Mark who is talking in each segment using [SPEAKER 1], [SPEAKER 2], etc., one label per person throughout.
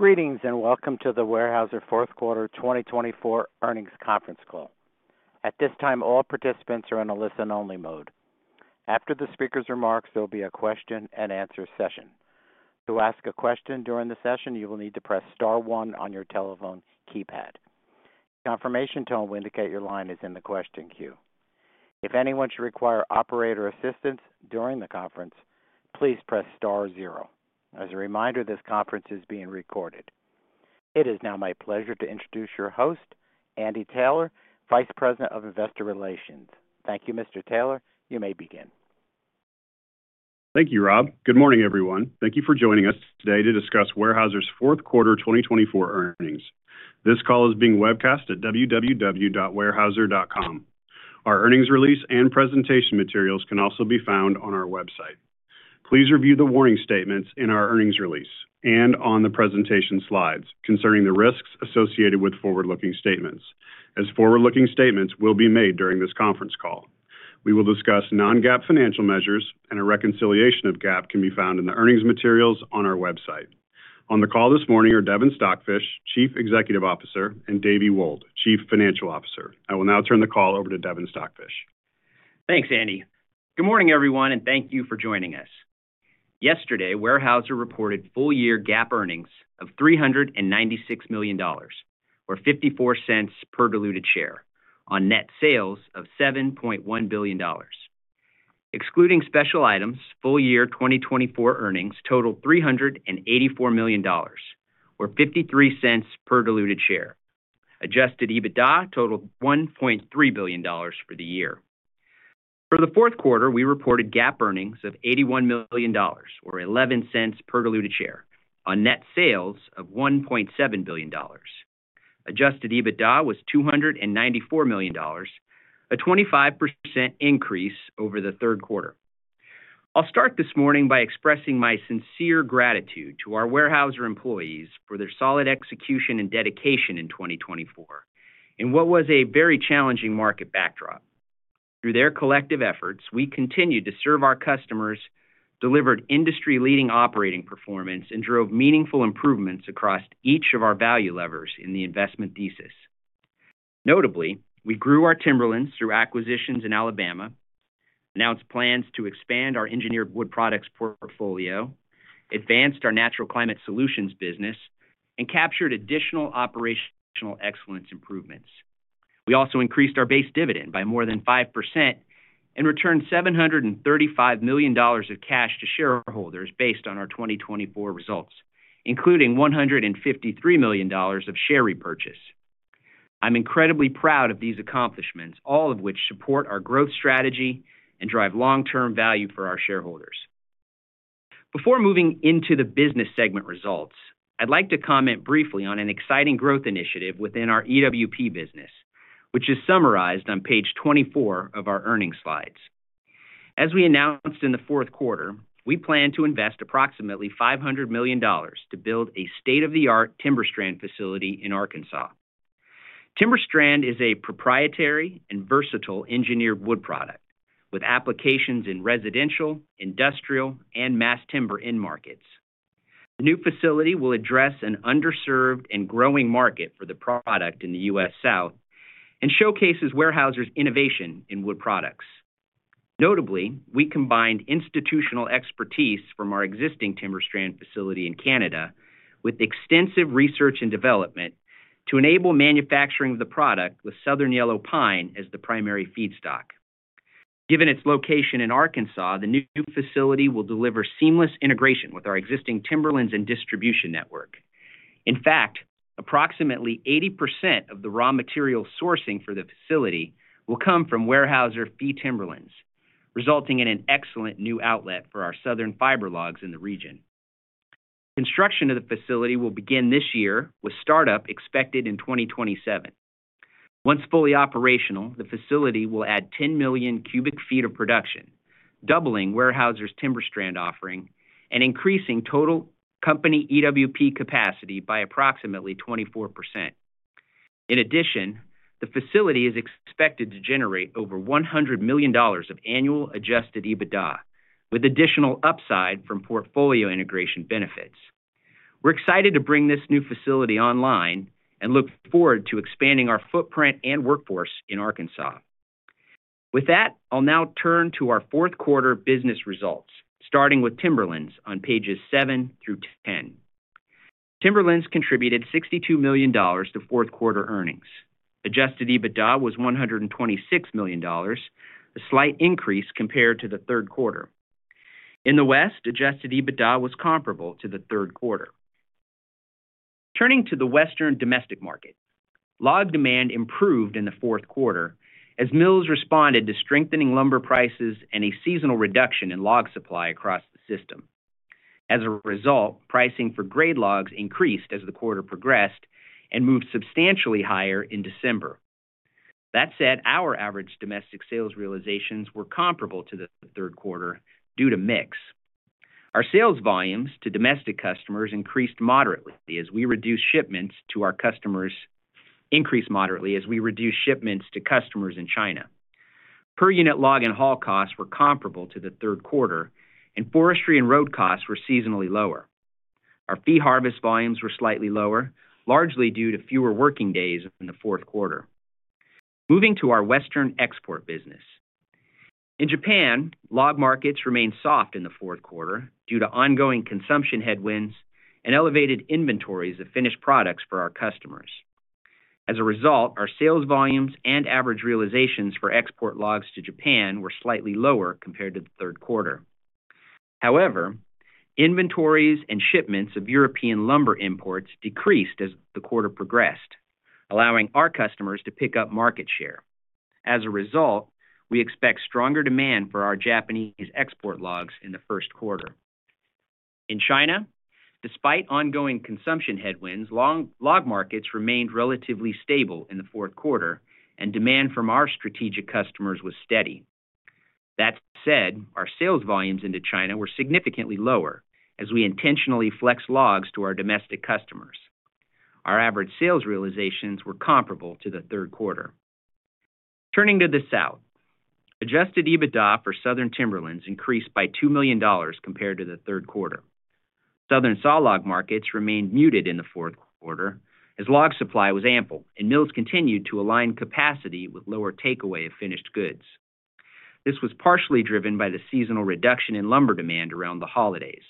[SPEAKER 1] Greetings and welcome to the Weyerhaeuser Q4 2024 Earnings Conference Call. At this time, all participants are in a listen-only mode. After the speaker's remarks, there will be a question-and-answer session. To ask a question during the session, you will need to press star one on your telephone keypad. The confirmation tone will indicate your line is in the question queue. If anyone should require operator assistance during the conference, please press star zero. As a reminder, this conference is being recorded. It is now my pleasure to introduce your host, Andy Taylor, Vice President of Investor Relations. Thank you, Mr. Taylor. You may begin.
[SPEAKER 2] Thank you, Rob. Good morning, everyone. Thank you for joining us today to discuss Weyerhaeuser's Q4 2024 earnings. This call is being webcast at www.weyerhaeuser.com. Our earnings release and presentation materials can also be found on our website. Please review the warning statements in our earnings release and on the presentation slides concerning the risks associated with forward-looking statements, as forward-looking statements will be made during this conference call. We will discuss non-GAAP financial measures, and a reconciliation of GAAP can be found in the earnings materials on our website. On the call this morning are Devin Stockfish, Chief Executive Officer, and Davy Wold, Chief Financial Officer. I will now turn the call over to Devin Stockfish.
[SPEAKER 3] Thanks, Andy. Good morning, everyone, and thank you for joining us. Yesterday, Weyerhaeuser reported full-year GAAP earnings of $396 million, or $0.54 per diluted share, on net sales of $7.1 billion. Excluding special items, full-year 2024 earnings totaled $384 million, or $0.53 per diluted share. Adjusted EBITDA totaled $1.3 billion for the year. For the Q4, we reported GAAP earnings of $81 million, or $0.11 per diluted share, on net sales of $1.7 billion. Adjusted EBITDA was $294 million, a 25% increase over the Q3. I'll start this morning by expressing my sincere gratitude to our Weyerhaeuser employees for their solid execution and dedication in 2024 in what was a very challenging market backdrop. Through their collective efforts, we continued to serve our customers, delivered industry-leading operating performance, and drove meaningful improvements across each of our value levers in the investment thesis. Notably, we grew our Timberlands through acquisitions in Alabama, announced plans to expand our engineered wood products portfolio, advanced our natural climate solutions business, and captured additional operational excellence improvements. We also increased our base dividend by more than 5% and returned $735 million of cash to shareholders based on our 2024 results, including $153 million of share repurchase. I'm incredibly proud of these accomplishments, all of which support our growth strategy and drive long-term value for our shareholders. Before moving into the business segment results, I'd like to comment briefly on an exciting growth initiative within our EWP business, which is summarized on page 24 of our earnings slides. As we announced in the Q4, we plan to invest approximately $500 million to build a state-of-the-art TimberStrand facility in Arkansas. TimberStrand is a proprietary and versatile engineered wood product with applications in residential, industrial, and mass timber end markets. The new facility will address an underserved and growing market for the product in the U.S. South and showcases Weyerhaeuser's innovation in wood products. Notably, we combined institutional expertise from our existing TimberStrand facility in Canada with extensive research and development to enable manufacturing of the product with Southern Yellow Pine as the primary feedstock. Given its location in Arkansas, the new facility will deliver seamless integration with our existing Timberlands and distribution network. In fact, approximately 80% of the raw material sourcing for the facility will come from Weyerhaeuser's timberlands, resulting in an excellent new outlet for our southern fiber logs in the region. Construction of the facility will begin this year, with startup expected in 2027. Once fully operational, the facility will add 10 million cubic feet of production, doubling Weyerhaeuser's TimberStrand offering and increasing total company EWP capacity by approximately 24%. In addition, the facility is expected to generate over $100 million of annual Adjusted EBITDA, with additional upside from portfolio integration benefits. We're excited to bring this new facility online and look forward to expanding our footprint and workforce in Arkansas. With that, I'll now turn to our Q4 business results, starting with Timberlands on pages 7 through 10. Timberlands contributed $62 million to Q4 earnings. Adjusted EBITDA was $126 million, a slight increase compared to the Q3. In the West, adjusted EBITDA was comparable to the Q3. Turning to the Western domestic market, log demand improved in the Q4 as mills responded to strengthening lumber prices and a seasonal reduction in log supply across the system. As a result, pricing for grade logs increased as the quarter progressed and moved substantially higher in December. That said, our average domestic sales realizations were comparable to the Q3 due to mix. Our sales volumes to domestic customers increased moderately as we reduced shipments to customers in China. Per unit log and haul costs were comparable to the Q3, and forestry and road costs were seasonally lower. Our fee harvest volumes were slightly lower, largely due to fewer working days in the Q4. Moving to our Western export business. In Japan, log markets remained soft in the Q4 due to ongoing consumption headwinds and elevated inventories of finished products for our customers. As a result, our sales volumes and average realizations for export logs to Japan were slightly lower compared to the Q3. However, inventories and shipments of European lumber imports decreased as the quarter progressed, allowing our customers to pick up market share. As a result, we expect stronger demand for our Japanese export logs in the Q1. In China, despite ongoing consumption headwinds, log markets remained relatively stable in the Q4, and demand from our strategic customers was steady. That said, our sales volumes into China were significantly lower as we intentionally flexed logs to our domestic customers. Our average sales realizations were comparable to the Q3. Turning to the South, Adjusted EBITDA for southern Timberlands increased by $2 million compared to the Q3. Southern saw log markets remained muted in the Q4 as log supply was ample and mills continued to align capacity with lower takeaway of finished goods. This was partially driven by the seasonal reduction in lumber demand around the holidays.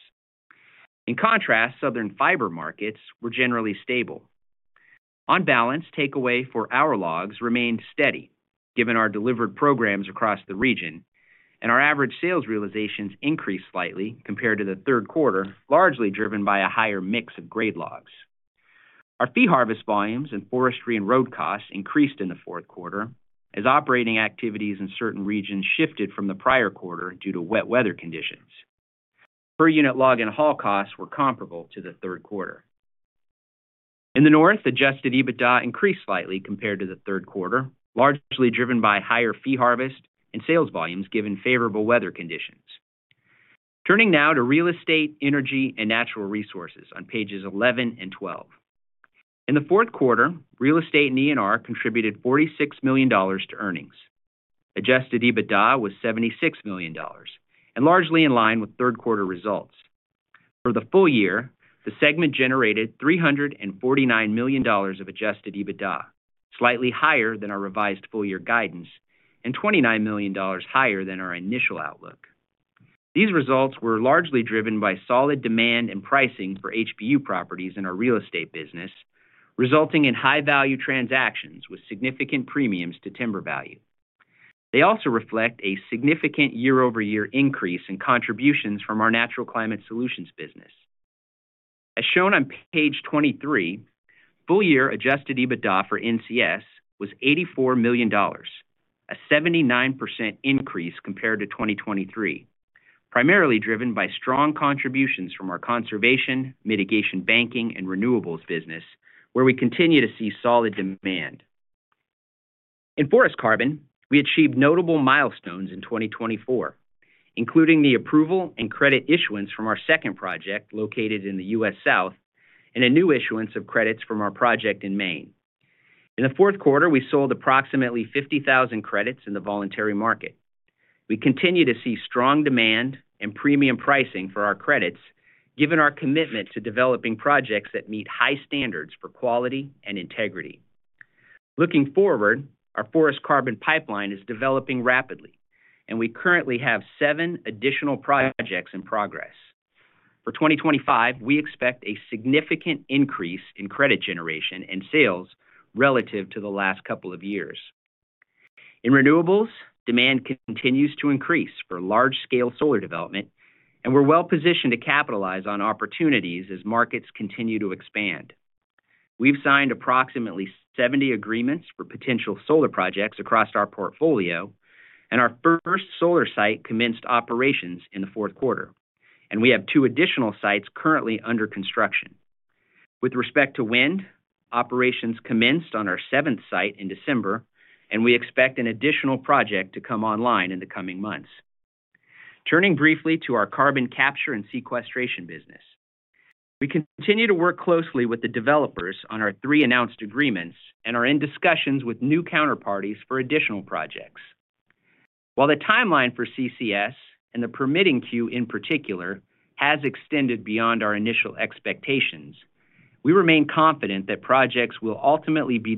[SPEAKER 3] In contrast, southern fiber markets were generally stable. On balance, takeaway for our logs remained steady given our delivered programs across the region, and our average sales realizations increased slightly compared to the Q3, largely driven by a higher mix of gray logs. Our fee harvest volumes and forestry and road costs increased in the Q4 as operating activities in certain regions shifted from the prior quarter due to wet weather conditions. Per unit log and haul costs were comparable to the Q3. In the North, Adjusted EBITDA increased slightly compared to the Q3, largely driven by higher fee harvest and sales volumes given favorable weather conditions. Turning now to real estate, energy, and natural resources on pages 11 and 12. In the Q4, real estate and ENR contributed $46 million to earnings. Adjusted EBITDA was $76 million, and largely in line with Q3 results. For the full year, the segment generated $349 million of adjusted EBITDA, slightly higher than our revised full-year guidance and $29 million higher than our initial outlook. These results were largely driven by solid demand and pricing for HBU properties in our real estate business, resulting in high-value transactions with significant premiums to timber value. They also reflect a significant year-over-year increase in contributions from our natural climate solutions business. As shown on page 23, full-year adjusted EBITDA for NCS was $84 million, a 79% increase compared to 2023, primarily driven by strong contributions from our conservation, mitigation banking, and renewables business, where we continue to see solid demand. In forest carbon, we achieved notable milestones in 2024, including the approval and credit issuance from our second project located in the U.S. South and a new issuance of credits from our project in Maine. In the Q4, we sold approximately 50,000 credits in the voluntary market. We continue to see strong demand and premium pricing for our credits, given our commitment to developing projects that meet high standards for quality and integrity. Looking forward, our forest carbon pipeline is developing rapidly, and we currently have seven additional projects in progress. For 2025, we expect a significant increase in credit generation and sales relative to the last couple of years. In renewables, demand continues to increase for large-scale solar development, and we're well positioned to capitalize on opportunities as markets continue to expand. We've signed approximately 70 agreements for potential solar projects across our portfolio, and our first solar site commenced operations in the Q4, and we have two additional sites currently under construction. With respect to wind, operations commenced on our seventh site in December, and we expect an additional project to come online in the coming months. Turning briefly to our carbon capture and sequestration business, we continue to work closely with the developers on our three announced agreements and are in discussions with new counterparties for additional projects. While the timeline for CCS and the permitting queue in particular has extended beyond our initial expectations, we remain confident that projects will ultimately be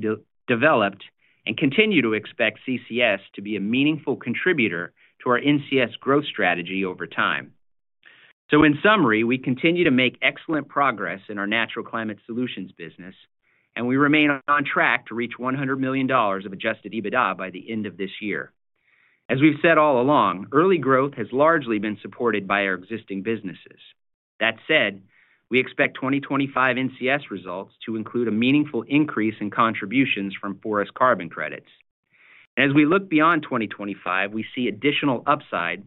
[SPEAKER 3] developed and continue to expect CCS to be a meaningful contributor to our NCS growth strategy over time. So, in summary, we continue to make excellent progress in our natural climate solutions business, and we remain on track to reach $100 million of adjusted EBITDA by the end of this year. As we've said all along, early growth has largely been supported by our existing businesses. That said, we expect 2025 NCS results to include a meaningful increase in contributions from forest carbon credits. And as we look beyond 2025, we see additional upside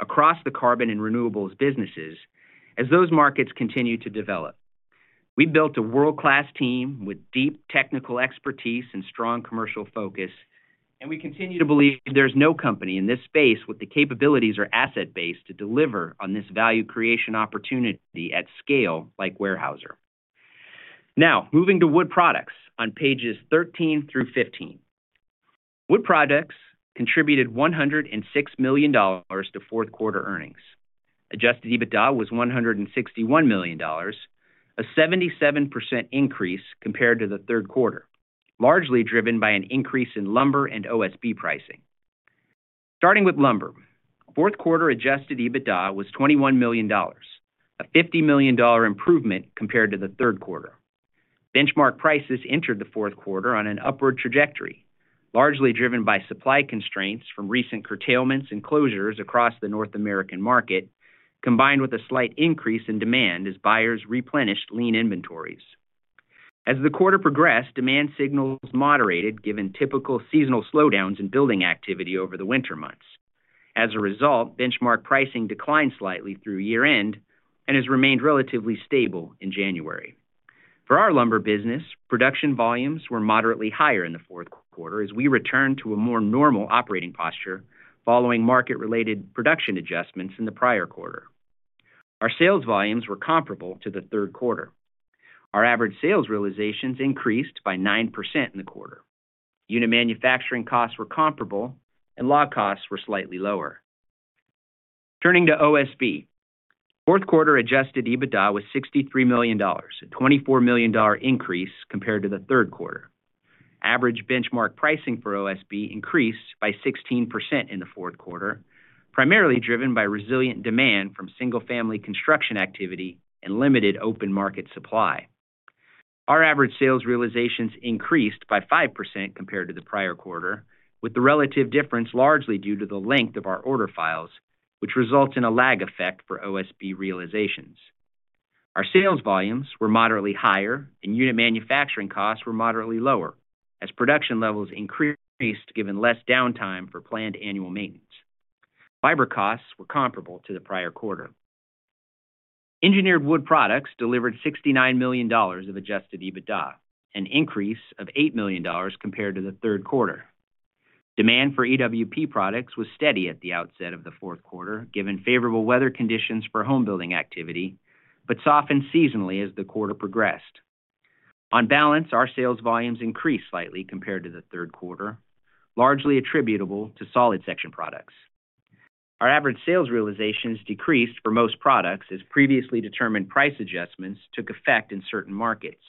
[SPEAKER 3] across the carbon and renewables businesses as those markets continue to develop. We built a world-class team with deep technical expertise and strong commercial focus, and we continue to believe there's no company in this space with the capabilities or asset base to deliver on this value creation opportunity at scale like Weyerhaeuser. Now, moving to wood products on pages 13 through 15. Wood products contributed $106 million to Q4 earnings. Adjusted EBITDA was $161 million, a 77% increase compared to the Q3, largely driven by an increase in lumber and OSB pricing. Starting with lumber, Q4 adjusted EBITDA was $21 million, a $50 million improvement compared to the Q3. Benchmark prices entered the Q4 on an upward trajectory, largely driven by supply constraints from recent curtailments and closures across the North American market, combined with a slight increase in demand as buyers replenished lean inventories. As the quarter progressed, demand signals moderated given typical seasonal slowdowns in building activity over the winter months. As a result, benchmark pricing declined slightly through year-end and has remained relatively stable in January. For our lumber business, production volumes were moderately higher in the Q4 as we returned to a more normal operating posture following market-related production adjustments in the prior quarter. Our sales volumes were comparable to the Q3. Our average sales realizations increased by 9% in the quarter. Unit manufacturing costs were comparable, and log costs were slightly lower. Turning to OSB, Q4 Adjusted EBITDA was $63 million, a $24 million increase compared to the Q3. Average benchmark pricing for OSB increased by 16% in the Q4, primarily driven by resilient demand from single-family construction activity and limited open market supply. Our average sales realizations increased by 5% compared to the prior quarter, with the relative difference largely due to the length of our order files, which results in a lag effect for OSB realizations. Our sales volumes were moderately higher, and unit manufacturing costs were moderately lower as production levels increased given less downtime for planned annual maintenance. Fiber costs were comparable to the prior quarter. Engineered wood products delivered $69 million of adjusted EBITDA, an increase of $8 million compared to the Q3. Demand for EWP products was steady at the outset of the Q4 given favorable weather conditions for home building activity, but softened seasonally as the quarter progressed. On balance, our sales volumes increased slightly compared to the Q3, largely attributable to solid section products. Our average sales realizations decreased for most products as previously determined price adjustments took effect in certain markets.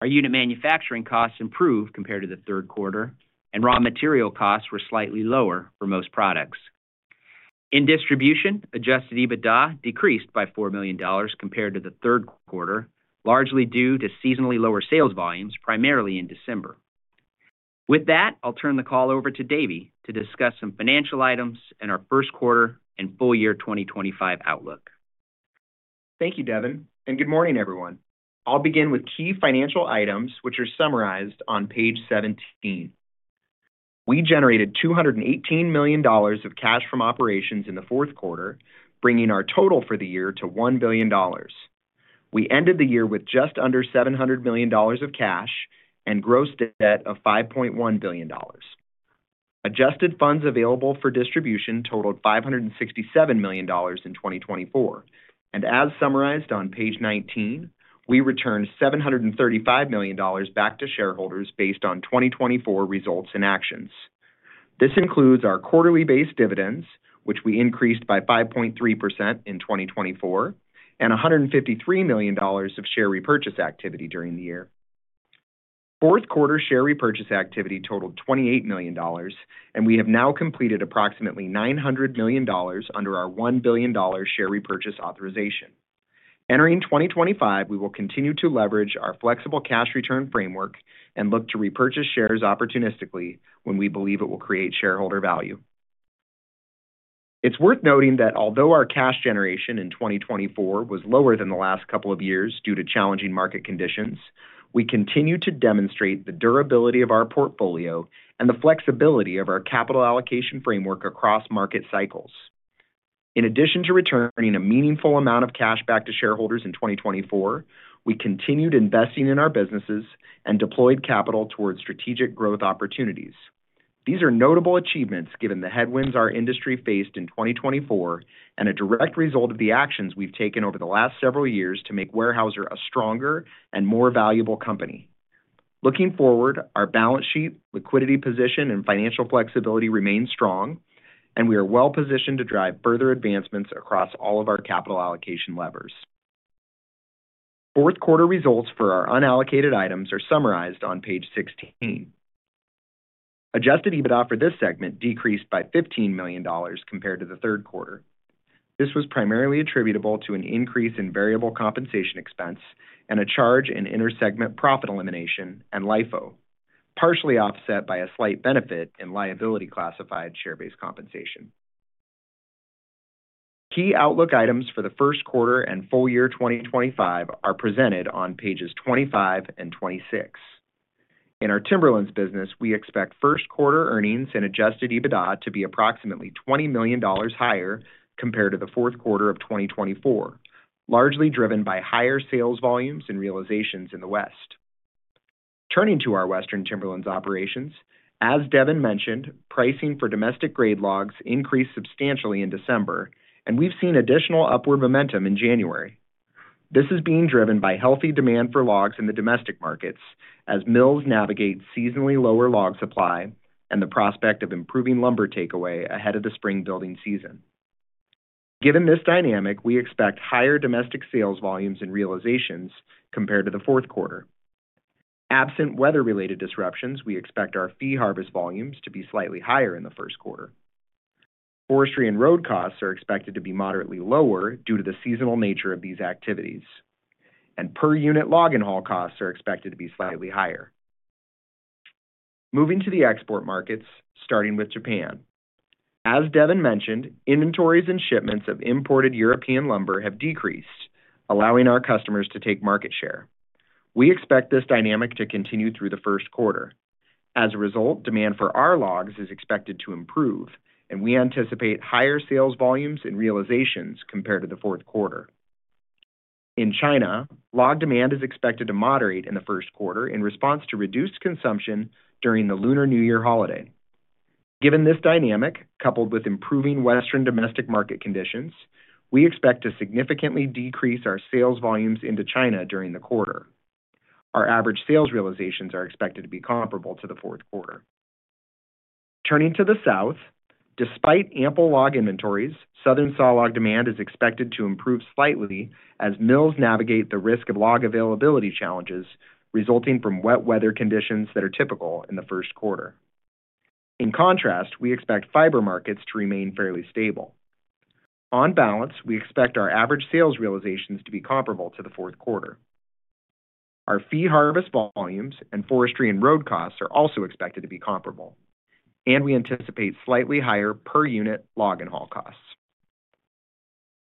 [SPEAKER 3] Our unit manufacturing costs improved compared to the Q3, and raw material costs were slightly lower for most products. In distribution, Adjusted EBITDA decreased by $4 million compared to the Q3, largely due to seasonally lower sales volumes primarily in December. With that, I'll turn the call over to Davy to discuss some financial items and our Q1 and full-year 2025 outlook.
[SPEAKER 4] Thank you, Devin, and good morning, everyone. I'll begin with key financial items, which are summarized on page 17. We generated $218 million of cash from operations in the Q4, bringing our total for the year to $1 billion. We ended the year with just under $700 million of cash and gross debt of $5.1 billion. Adjusted Funds Available for Distribution totaled $567 million in 2024, and as summarized on page 19, we returned $735 million back to shareholders based on 2024 results and actions. This includes our quarterly-based dividends, which we increased by 5.3% in 2024, and $153 million of share repurchase activity during the year. Q4 share repurchase activity totaled $28 million, and we have now completed approximately $900 million under our $1 billion share repurchase authorization. Entering 2025, we will continue to leverage our flexible cash return framework and look to repurchase shares opportunistically when we believe it will create shareholder value. It's worth noting that although our cash generation in 2024 was lower than the last couple of years due to challenging market conditions, we continue to demonstrate the durability of our portfolio and the flexibility of our capital allocation framework across market cycles. In addition to returning a meaningful amount of cash back to shareholders in 2024, we continued investing in our businesses and deployed capital towards strategic growth opportunities. These are notable achievements given the headwinds our industry faced in 2024 and a direct result of the actions we've taken over the last several years to make Weyerhaeuser a stronger and more valuable company. Looking forward, our balance sheet, liquidity position, and financial flexibility remain strong, and we are well positioned to drive further advancements across all of our capital allocation levers. Q4 results for our unallocated items are summarized on page 16. Adjusted EBITDA for this segment decreased by $15 million compared to the Q3. This was primarily attributable to an increase in variable compensation expense and a charge in intersegment profit elimination and LIFO, partially offset by a slight benefit in liability classified share-based compensation. Key outlook items for the Q1 and full year 2025 are presented on pages 25 and 26. In our Timberlands business, we expect Q1 earnings and adjusted EBITDA to be approximately $20 million higher compared to the Q4 of 2024, largely driven by higher sales volumes and realizations in the West. Turning to our Western Timberlands operations, as Devin mentioned, pricing for domestic grade logs increased substantially in December, and we've seen additional upward momentum in January. This is being driven by healthy demand for logs in the domestic markets as mills navigate seasonally lower log supply and the prospect of improving lumber takeaway ahead of the spring building season. Given this dynamic, we expect higher domestic sales volumes and realizations compared to the Q4. Absent weather-related disruptions, we expect our fee harvest volumes to be slightly higher in the Q1. Forestry and road costs are expected to be moderately lower due to the seasonal nature of these activities, and per unit log and haul costs are expected to be slightly higher. Moving to the export markets, starting with Japan. As Devin mentioned, inventories and shipments of imported European lumber have decreased, allowing our customers to take market share. We expect this dynamic to continue through the Q1. As a result, demand for our logs is expected to improve, and we anticipate higher sales volumes and realizations compared to the Q4. In China, log demand is expected to moderate in the Q1 in response to reduced consumption during the Lunar New Year holiday. Given this dynamic, coupled with improving Western domestic market conditions, we expect to significantly decrease our sales volumes into China during the quarter. Our average sales realizations are expected to be comparable to the Q4. Turning to the South, despite ample log inventories, southern saw log demand is expected to improve slightly as mills navigate the risk of log availability challenges resulting from wet weather conditions that are typical in the Q1. In contrast, we expect fiber markets to remain fairly stable. On balance, we expect our average sales realizations to be comparable to the Q4. Our fee harvest volumes and forestry and road costs are also expected to be comparable, and we anticipate slightly higher per unit log and haul costs.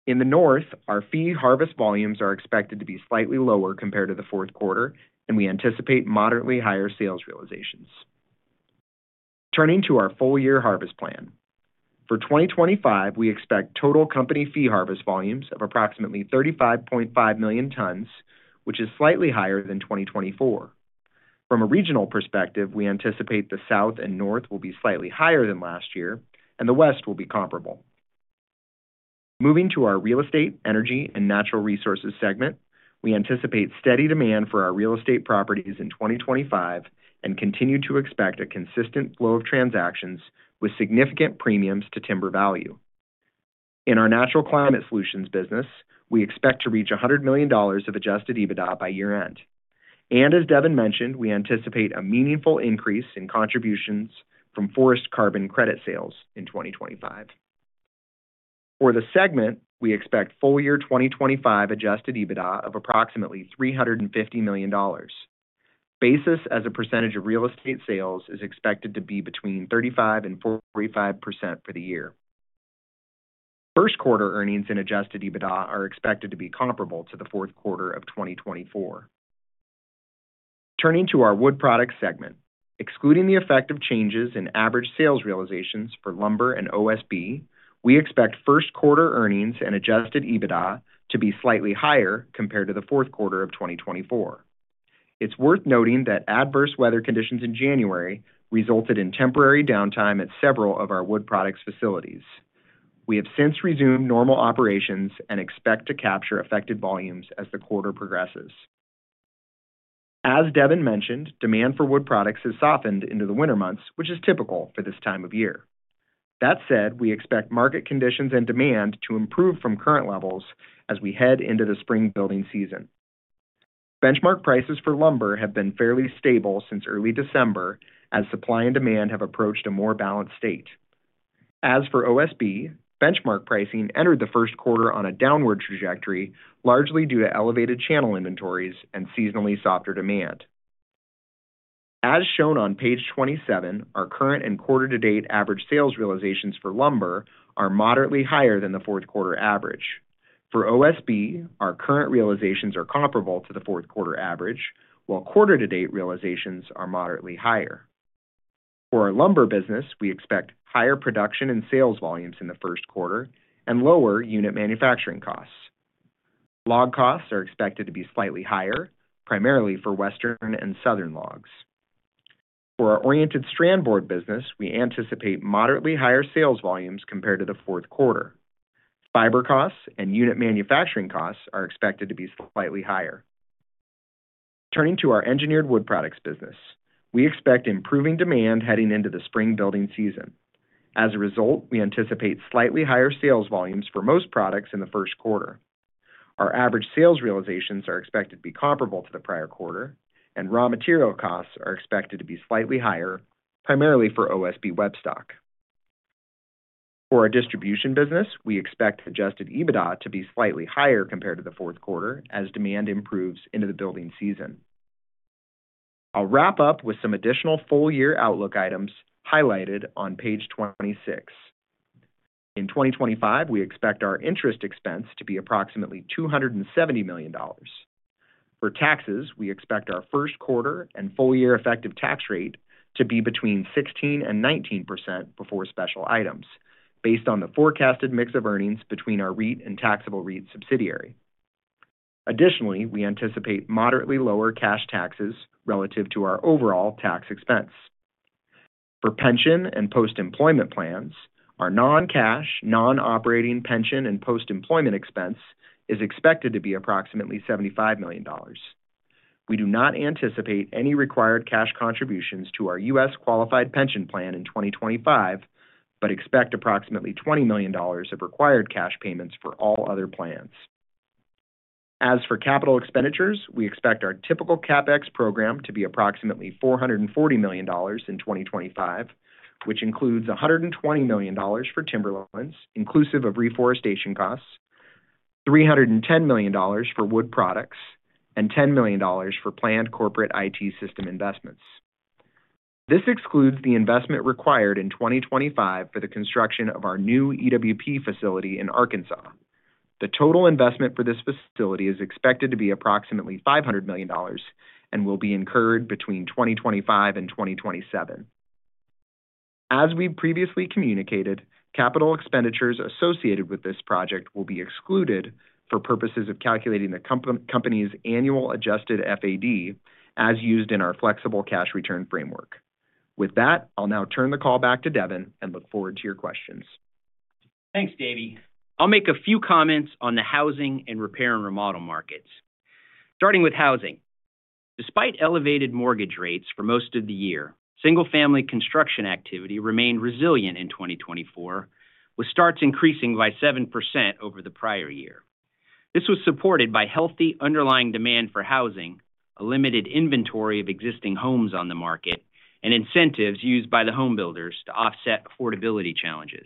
[SPEAKER 4] In the North, our fee harvest volumes are expected to be slightly lower compared to the Q4, and we anticipate moderately higher sales realizations. Turning to our full-year harvest plan, for 2025, we expect total company fee harvest volumes of approximately 35.5 million tons, which is slightly higher than 2024. From a regional perspective, we anticipate the South and North will be slightly higher than last year, and the West will be comparable. Moving to our real estate, energy, and natural resources segment, we anticipate steady demand for our real estate properties in 2025 and continue to expect a consistent flow of transactions with significant premiums to timber value. In our natural climate solutions business, we expect to reach $100 million of Adjusted EBITDA by year-end. As Devin mentioned, we anticipate a meaningful increase in contributions from forest carbon credit sales in 2025. For the segment, we expect full-year 2025 Adjusted EBITDA of approximately $350 million. Basis as a percentage of real estate sales is expected to be between 35%-45% for the year. First quarter earnings and Adjusted EBITDA are expected to be comparable to the Q4 of 2024. Turning to our wood products segment, excluding the effect of changes in average sales realizations for lumber and OSB, we expect Q1 earnings and Adjusted EBITDA to be slightly higher compared to the Q4 of 2024. It's worth noting that adverse weather conditions in January resulted in temporary downtime at several of our wood products facilities. We have since resumed normal operations and expect to capture affected volumes as the quarter progresses. As Devin mentioned, demand for wood products has softened into the winter months, which is typical for this time of year. That said, we expect market conditions and demand to improve from current levels as we head into the spring building season. Benchmark prices for lumber have been fairly stable since early December as supply and demand have approached a more balanced state. As for OSB, benchmark pricing entered the Q1 on a downward trajectory, largely due to elevated channel inventories and seasonally softer demand. As shown on page 27, our current and quarter-to-date average sales realizations for lumber are moderately higher than the Q4 average. For OSB, our current realizations are comparable to the Q4 average, while quarter-to-date realizations are moderately higher. For our lumber business, we expect higher production and sales volumes in the Q1 and lower unit manufacturing costs. Log costs are expected to be slightly higher, primarily for Western and Southern logs. For our Oriented Strand Board business, we anticipate moderately higher sales volumes compared to the Q4. Fiber costs and unit manufacturing costs are expected to be slightly higher. Turning to our engineered wood products business, we expect improving demand heading into the spring building season. As a result, we anticipate slightly higher sales volumes for most products in the Q1. Our average sales realizations are expected to be comparable to the prior quarter, and raw material costs are expected to be slightly higher, primarily for OSB web stock. For our distribution business, we expect Adjusted EBITDA to be slightly higher compared to the Q4 as demand improves into the building season. I'll wrap up with some additional full-year outlook items highlighted on page 26. In 2025, we expect our interest expense to be approximately $270 million. For taxes, we expect our Q1 and full-year effective tax rate to be between 16% and 19% before special items, based on the forecasted mix of earnings between our REIT and taxable REIT subsidiary. Additionally, we anticipate moderately lower cash taxes relative to our overall tax expense. For pension and post-employment plans, our non-cash, non-operating pension and post-employment expense is expected to be approximately $75 million. We do not anticipate any required cash contributions to our U.S. qualified pension plan in 2025, but expect approximately $20 million of required cash payments for all other plans. As for capital expenditures, we expect our typical CapEx program to be approximately $440 million in 2025, which includes $120 million for Timberlands, inclusive of reforestation costs, $310 million for wood products, and $10 million for planned corporate IT system investments. This excludes the investment required in 2025 for the construction of our new EWP facility in Arkansas. The total investment for this facility is expected to be approximately $500 million and will be incurred between 2025 and 2027. As we've previously communicated, capital expenditures associated with this project will be excluded for purposes of calculating the company's annual adjusted FAD as used in our flexible cash return framework. With that, I'll now turn the call back to Devin and look forward to your questions.
[SPEAKER 3] Thanks, Davy. I'll make a few comments on the housing and repair and remodel markets. Starting with housing, despite elevated mortgage rates for most of the year, single-family construction activity remained resilient in 2024, with starts increasing by 7% over the prior year. This was supported by healthy underlying demand for housing, a limited inventory of existing homes on the market, and incentives used by the homebuilders to offset affordability challenges.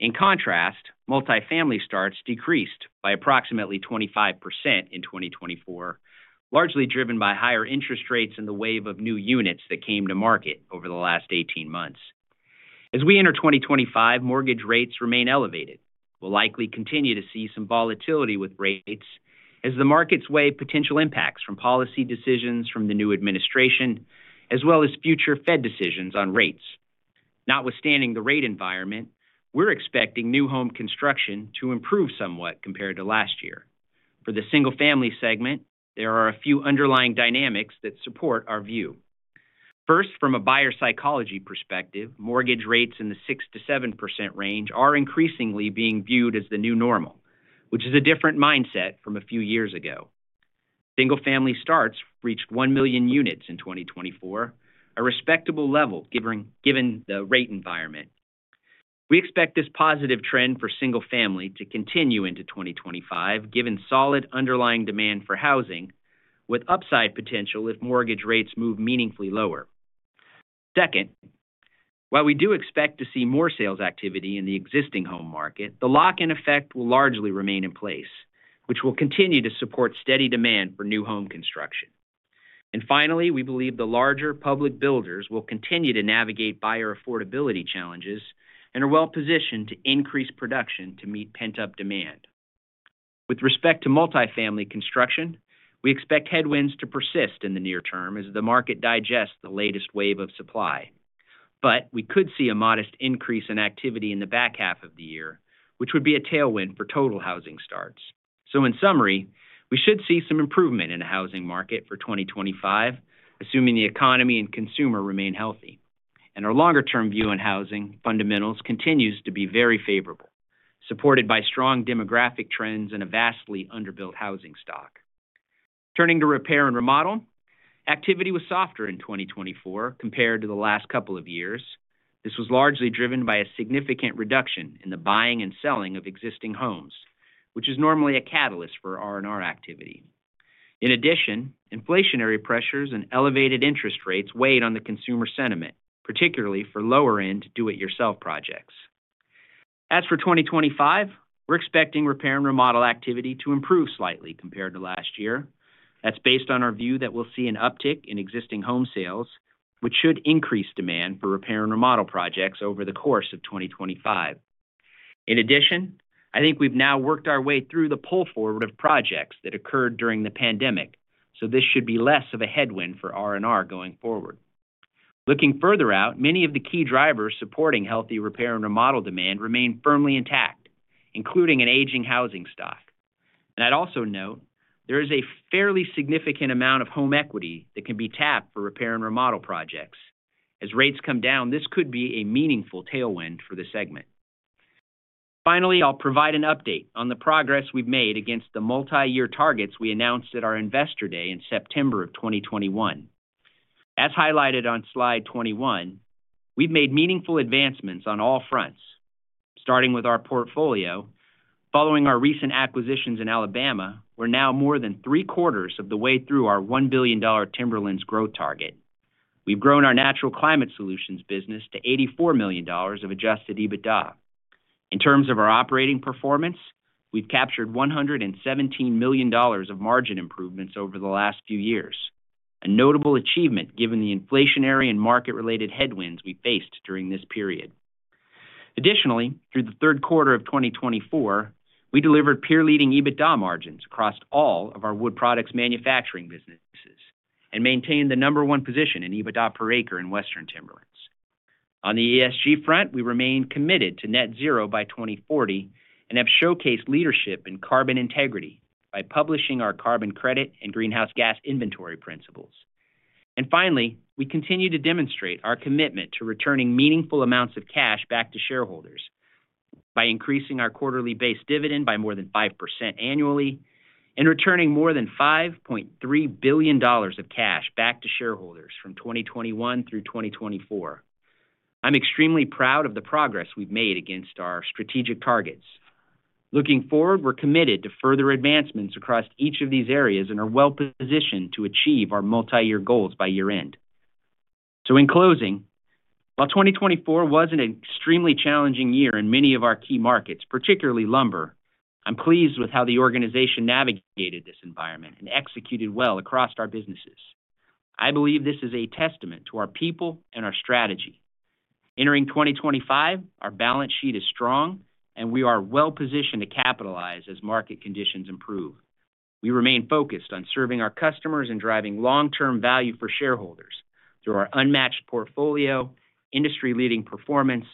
[SPEAKER 3] In contrast, multi-family starts decreased by approximately 25% in 2024, largely driven by higher interest rates and the wave of new units that came to market over the last 18 months. As we enter 2025, mortgage rates remain elevated. We'll likely continue to see some volatility with rates as the markets weigh potential impacts from policy decisions from the new administration, as well as future Fed decisions on rates. Notwithstanding the rate environment, we're expecting new home construction to improve somewhat compared to last year. For the single-family segment, there are a few underlying dynamics that support our view. First, from a buyer psychology perspective, mortgage rates in the 6%-7% range are increasingly being viewed as the new normal, which is a different mindset from a few years ago. Single-family starts reached one million units in 2024, a respectable level given the rate environment. We expect this positive trend for single-family to continue into 2025, given solid underlying demand for housing, with upside potential if mortgage rates move meaningfully lower. Second, while we do expect to see more sales activity in the existing home market, the lock-in effect will largely remain in place, which will continue to support steady demand for new home construction. And finally, we believe the larger public builders will continue to navigate buyer affordability challenges and are well-positioned to increase production to meet pent-up demand. With respect to multi-family construction, we expect headwinds to persist in the near term as the market digests the latest wave of supply. But we could see a modest increase in activity in the back half of the year, which would be a tailwind for total housing starts. So in summary, we should see some improvement in the housing market for 2025, assuming the economy and consumer remain healthy. And our longer-term view on housing fundamentals continues to be very favorable, supported by strong demographic trends and a vastly underbuilt housing stock. Turning to repair and remodel, activity was softer in 2024 compared to the last couple of years. This was largely driven by a significant reduction in the buying and selling of existing homes, which is normally a catalyst for R&R activity. In addition, inflationary pressures and elevated interest rates weighed on the consumer sentiment, particularly for lower-end do-it-yourself projects. As for 2025, we're expecting repair and remodel activity to improve slightly compared to last year. That's based on our view that we'll see an uptick in existing home sales, which should increase demand for repair and remodel projects over the course of 2025. In addition, I think we've now worked our way through the pull forward of projects that occurred during the pandemic, so this should be less of a headwind for R&R going forward. Looking further out, many of the key drivers supporting healthy repair and remodel demand remain firmly intact, including an aging housing stock, and I'd also note there is a fairly significant amount of home equity that can be tapped for repair and remodel projects. As rates come down, this could be a meaningful tailwind for the segment. Finally, I'll provide an update on the progress we've made against the multi-year targets we announced at our investor day in September of 2021. As highlighted on slide 21, we've made meaningful advancements on all fronts. Starting with our portfolio, following our recent acquisitions in Alabama, we're now more than three quarters of the way through our $1 billion Timberlands growth target. We've grown our natural climate solutions business to $84 million of Adjusted EBITDA. In terms of our operating performance, we've captured $117 million of margin improvements over the last few years, a notable achievement given the inflationary and market-related headwinds we faced during this period. Additionally, through the Q3 of 2024, we delivered peer-leading EBITDA margins across all of our wood products manufacturing businesses and maintained the number one position in EBITDA per acre in Western Timberlands. On the ESG front, we remain committed to net zero by 2040 and have showcased leadership in carbon integrity by publishing our carbon credit and greenhouse gas inventory principles. And finally, we continue to demonstrate our commitment to returning meaningful amounts of cash back to shareholders by increasing our quarterly base dividend by more than 5% annually and returning more than $5.3 billion of cash back to shareholders from 2021 through 2024. I'm extremely proud of the progress we've made against our strategic targets. Looking forward, we're committed to further advancements across each of these areas and are well-positioned to achieve our multi-year goals by year-end. In closing, while 2024 was an extremely challenging year in many of our key markets, particularly lumber, I'm pleased with how the organization navigated this environment and executed well across our businesses. I believe this is a testament to our people and our strategy. Entering 2025, our balance sheet is strong, and we are well-positioned to capitalize as market conditions improve. We remain focused on serving our customers and driving long-term value for shareholders through our unmatched portfolio, industry-leading performance,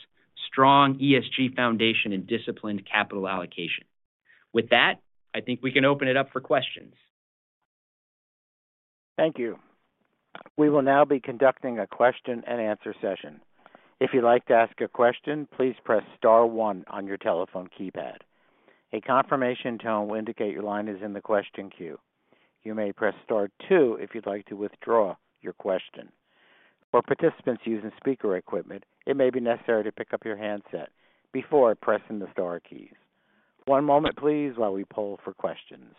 [SPEAKER 3] strong ESG foundation, and disciplined capital allocation. With that, I think we can open it up for questions.
[SPEAKER 1] Thank you. We will now be conducting a question-and-answer session. If you'd like to ask a question, please press Star one on your telephone keypad. A confirmation tone will indicate your line is in the question queue. You may press Star two if you'd like to withdraw your question. For participants using speaker equipment, it may be necessary to pick up your handset before pressing the Star keys. One moment, please, while we poll for questions.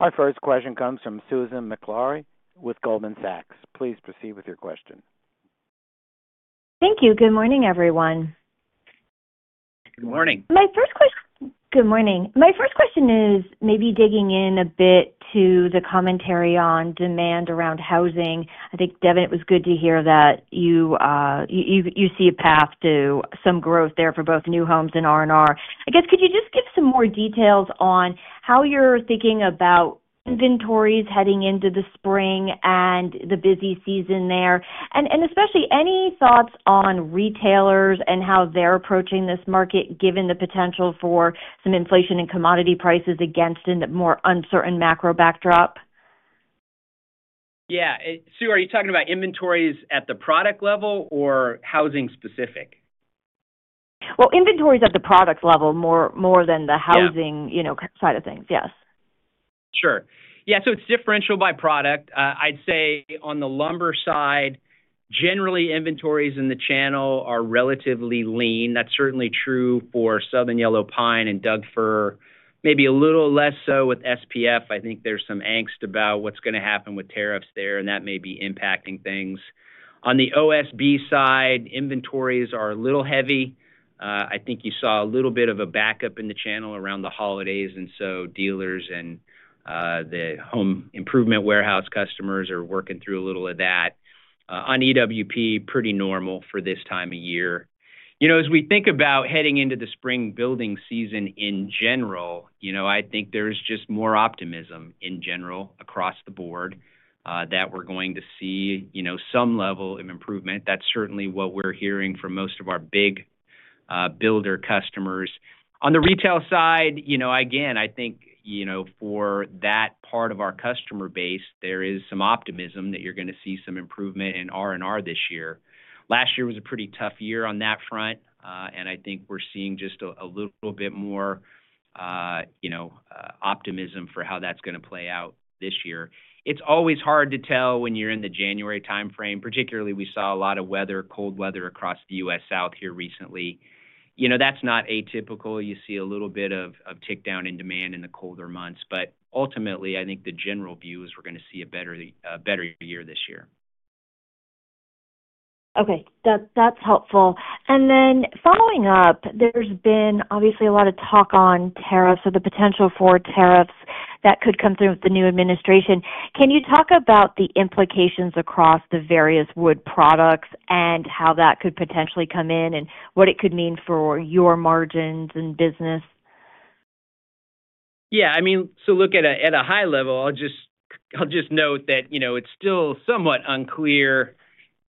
[SPEAKER 1] Our first question comes from Susan Maklari with Goldman Sachs. Please proceed with your question.
[SPEAKER 5] Thank you. Good morning, everyone.
[SPEAKER 3] Good morning.
[SPEAKER 5] My first question is maybe digging in a bit to the commentary on demand around housing. I think, Devin, it was good to hear that you see a path to some growth there for both new homes and R&R. I guess, could you just give some more details on how you're thinking about inventories heading into the spring and the busy season there, and especially any thoughts on retailers and how they're approaching this market given the potential for some inflation and commodity prices against a more uncertain macro backdrop?
[SPEAKER 3] Yeah. Sue, are you talking about inventories at the product level or housing specific?
[SPEAKER 5] Well, inventories at the product level more than the housing side of things. Yes.
[SPEAKER 3] Sure. Yeah. So it's differential by product. I'd say on the lumber side, generally, inventories in the channel are relatively lean. That's certainly true for Southern Yellow Pine and Doug Fir. Maybe a little less so with SPF. I think there's some angst about what's going to happen with tariffs there, and that may be impacting things. On the OSB side, inventories are a little heavy. I think you saw a little bit of a backup in the channel around the holidays, and so dealers and the home improvement warehouse customers are working through a little of that. On EWP, pretty normal for this time of year. As we think about heading into the spring building season in general, I think there's just more optimism in general across the board that we're going to see some level of improvement. That's certainly what we're hearing from most of our big builder customers. On the retail side, again, I think for that part of our customer base, there is some optimism that you're going to see some improvement in R&R this year. Last year was a pretty tough year on that front, and I think we're seeing just a little bit more optimism for how that's going to play out this year. It's always hard to tell when you're in the January timeframe. Particularly, we saw a lot of weather, cold weather across the U.S. South here recently. That's not atypical. You see a little bit of tickdown in demand in the colder months. But ultimately, I think the general view is we're going to see a better year this year.
[SPEAKER 5] Okay. That's helpful. And then following up, there's been obviously a lot of talk on tariffs or the potential for tariffs that could come through with the new administration. Can you talk about the implications across the various wood products and how that could potentially come in and what it could mean for your margins and business?
[SPEAKER 3] Yeah. I mean, so look at a high level, I'll just note that it's still somewhat unclear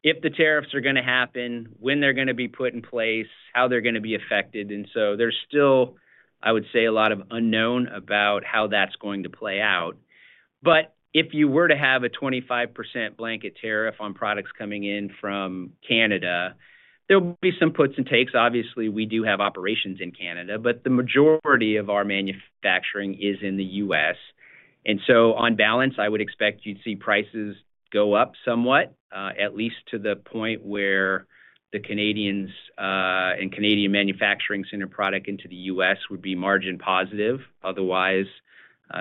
[SPEAKER 3] if the tariffs are going to happen, when they're going to be put in place, how they're going to be affected. And so there's still, I would say, a lot of unknown about how that's going to play out. But if you were to have a 25% blanket tariff on products coming in from Canada, there will be some puts and takes. Obviously, we do have operations in Canada, but the majority of our manufacturing is in the U.S. And so on balance, I would expect you'd see prices go up somewhat, at least to the point where the Canadians and Canadian manufacturing sending product into the U.S. would be margin positive. Otherwise,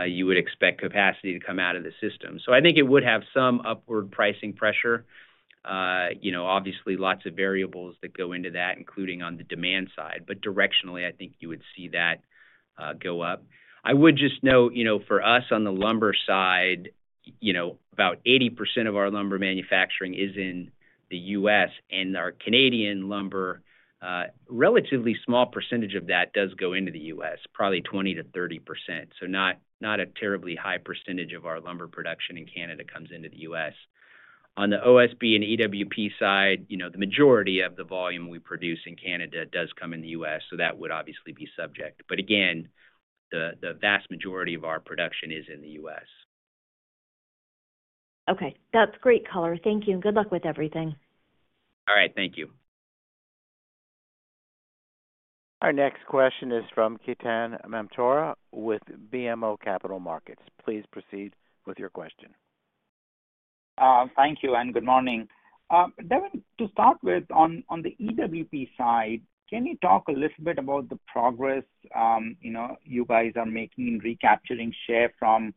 [SPEAKER 3] you would expect capacity to come out of the system. So I think it would have some upward pricing pressure. Obviously, lots of variables that go into that, including on the demand side. But directionally, I think you would see that go up. I would just note for us on the lumber side, about 80% of our lumber manufacturing is in the U.S., and our Canadian lumber, a relatively small percentage of that does go into the U.S., probably 20%-30%. So not a terribly high percentage of our lumber production in Canada comes into the U.S. On the OSB and EWP side, the majority of the volume we produce in Canada does come in the U.S., so that would obviously be subject. But again, the vast majority of our production is in the U.S.
[SPEAKER 5] Okay. That's great color. Thank you. And good luck with everything.
[SPEAKER 3] All right. Thank you.
[SPEAKER 1] Our next question is from Ketan Mamtora with BMO Capital Markets. Please proceed with your question. Thank you and good morning.
[SPEAKER 6] Devin, to start with, on the EWP side, can you talk a little bit about the progress you guys are making in recapturing share from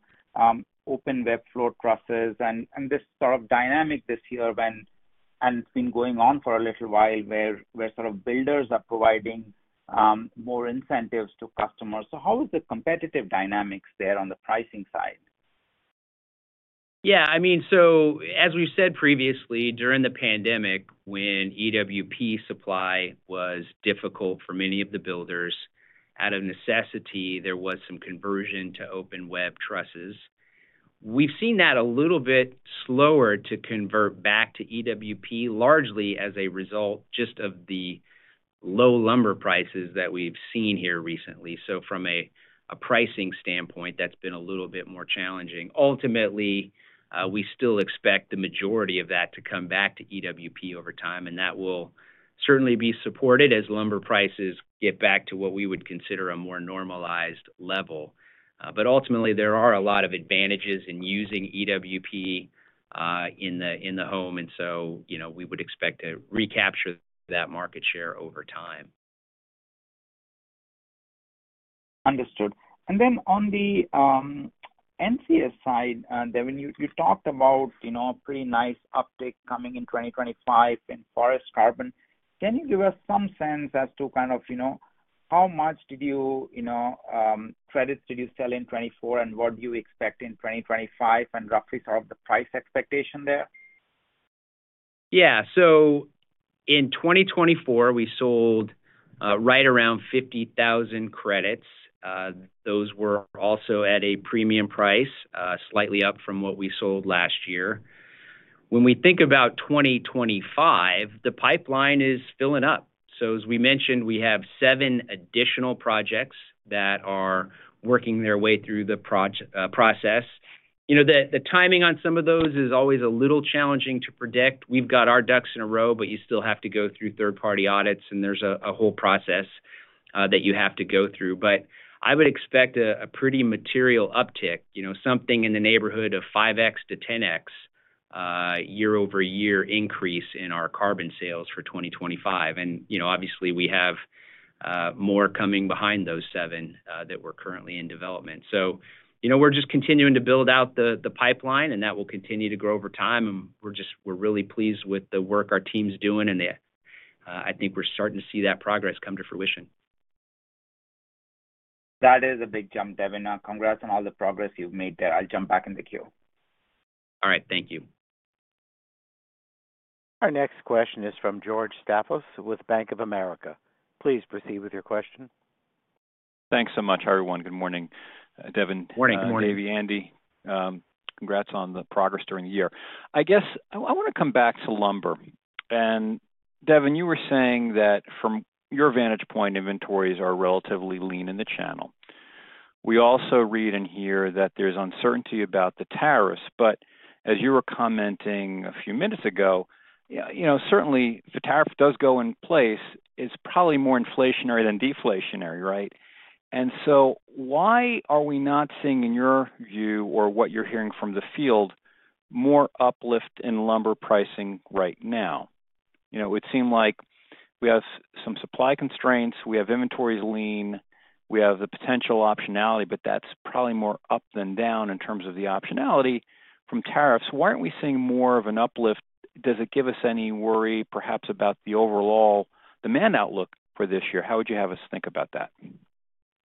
[SPEAKER 6] open web floor trusses and this sort of dynamic this year and it's been going on for a little while where sort of builders are providing more incentives to customers? So how is the competitive dynamics there on the pricing side?
[SPEAKER 3] Yeah. I mean, so as we said previously, during the pandemic, when EWP supply was difficult for many of the builders, out of necessity, there was some conversion to open web trusses. We've seen that a little bit slower to convert back to EWP, largely as a result just of the low lumber prices that we've seen here recently. So from a pricing standpoint, that's been a little bit more challenging. Ultimately, we still expect the majority of that to come back to EWP over time, and that will certainly be supported as lumber prices get back to what we would consider a more normalized level. But ultimately, there are a lot of advantages in using EWP in the home, and so we would expect to recapture that market share over time.
[SPEAKER 6] Understood. And then on the NCS side, Devin, you talked about a pretty nice uptick coming in 2025 in forest carbon. Can you give us some sense as to kind of how many credits did you sell in 2024 and what do you expect in 2025 and roughly sort of the price expectation there?
[SPEAKER 3] Yeah. So in 2024, we sold right around 50,000 credits. Those were also at a premium price, slightly up from what we sold last year. When we think about 2025, the pipeline is filling up, so as we mentioned, we have seven additional projects that are working their way through the process. The timing on some of those is always a little challenging to predict. We've got our ducks in a row, but you still have to go through third-party audits, and there's a whole process that you have to go through, but I would expect a pretty material uptick, something in the neighborhood of 5x to 10x year-over-year increase in our carbon sales for 2025, and obviously, we have more coming behind those seven that we're currently in development, so we're just continuing to build out the pipeline, and that will continue to grow over time, and we're really pleased with the work our team's doing, and I think we're starting to see that progress come to fruition.
[SPEAKER 6] That is a big jump, Devin. Congrats on all the progress you've made there. I'll jump back in the queue.
[SPEAKER 3] All right. Thank you.
[SPEAKER 1] Our next question is from George Staphos with Bank of America. Please proceed with your question.
[SPEAKER 7] Thanks so much, everyone. Good morning, Devin.
[SPEAKER 3] Good morning.
[SPEAKER 7] Good morning, Davy, Andy. Congrats on the progress during the year. I guess I want to come back to lumber. And Devin, you were saying that from your vantage point, inventories are relatively lean in the channel. We also read and hear that there's uncertainty about the tariffs. But as you were commenting a few minutes ago, certainly, the tariff does go in place. It's probably more inflationary than deflationary, right? And so why are we not seeing, in your view or what you're hearing from the field, more uplift in lumber pricing right now? It seemed like we have some supply constraints, we have inventories lean, we have the potential optionality, but that's probably more up than down in terms of the optionality from tariffs. Why aren't we seeing more of an uplift? Does it give us any worry, perhaps, about the overall demand outlook for this year? How would you have us think about that?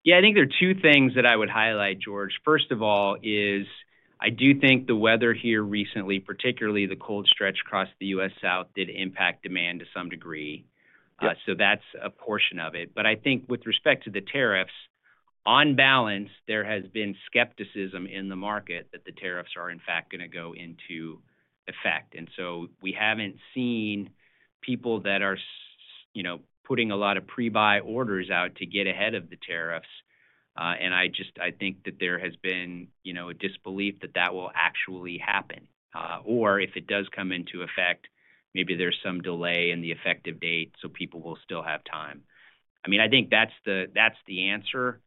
[SPEAKER 3] Yeah. I think there are two things that I would highlight, George. First of all, I do think the weather here recently, particularly the cold stretch across the U.S. South, did impact demand to some degree. So that's a portion of it. But I think with respect to the tariffs, on balance, there has been skepticism in the market that the tariffs are, in fact, going to go into effect. And so we haven't seen people that are putting a lot of pre-buy orders out to get ahead of the tariffs. And I think that there has been a disbelief that that will actually happen. Or if it does come into effect, maybe there's some delay in the effective date, so people will still have time. I mean, I think that's the answer.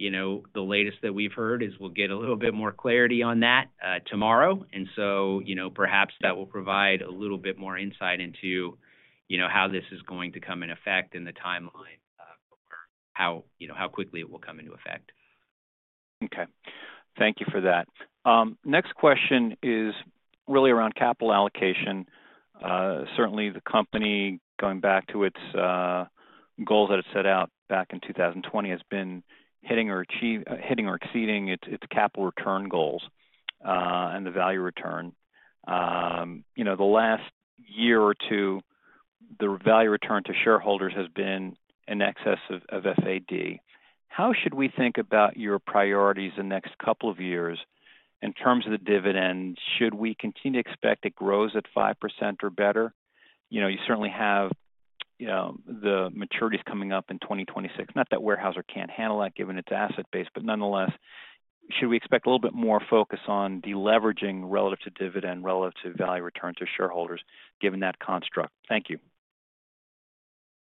[SPEAKER 3] The latest that we've heard is we'll get a little bit more clarity on that tomorrow. And so perhaps that will provide a little bit more insight into how this is going to come in effect and the timeline or how quickly it will come into effect.
[SPEAKER 7] Okay. Thank you for that. Next question is really around capital allocation. Certainly, the company, going back to its goals that it set out back in 2020, has been hitting or exceeding its capital return goals and the value return. The last year or two, the value return to shareholders has been in excess of FAD. How should we think about your priorities in the next couple of years in terms of the dividend? Should we continue to expect it grows at 5% or better? You certainly have the maturities coming up in 2026. Not that Weyerhaeuser can't handle that given its asset base, but nonetheless, should we expect a little bit more focus on deleveraging relative to dividend, relative to value return to shareholders given that construct? Thank you.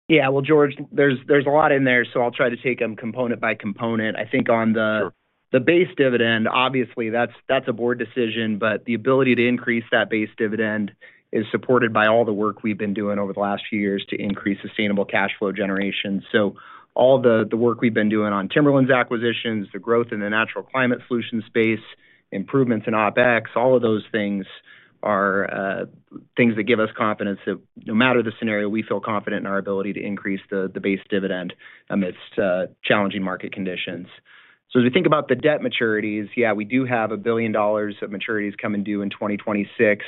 [SPEAKER 3] Yeah. Well, George, there's a lot in there, so I'll try to take them component by component. I think on the base dividend, obviously, that's a board decision, but the ability to increase that base dividend is supported by all the work we've been doing over the last few years to increase sustainable cash flow generation. All the work we've been doing on Timberlands' acquisitions, the growth in the natural climate solutions space, improvements in OpEx, all of those things are things that give us confidence that no matter the scenario, we feel confident in our ability to increase the base dividend amidst challenging market conditions. As we think about the debt maturities, yeah, we do have $1 billion of maturities coming due in 2026.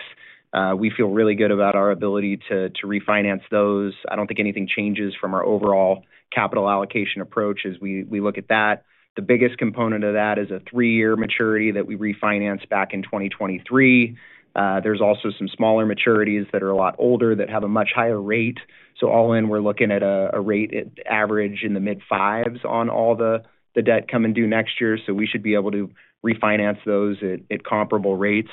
[SPEAKER 3] We feel really good about our ability to refinance those. I don't think anything changes from our overall capital allocation approach as we look at that. The biggest component of that is a three-year maturity that we refinanced back in 2023. There's also some smaller maturities that are a lot older that have a much higher rate. So all in, we're looking at a rate average in the mid-fives on all the debt come in due next year. So we should be able to refinance those at comparable rates.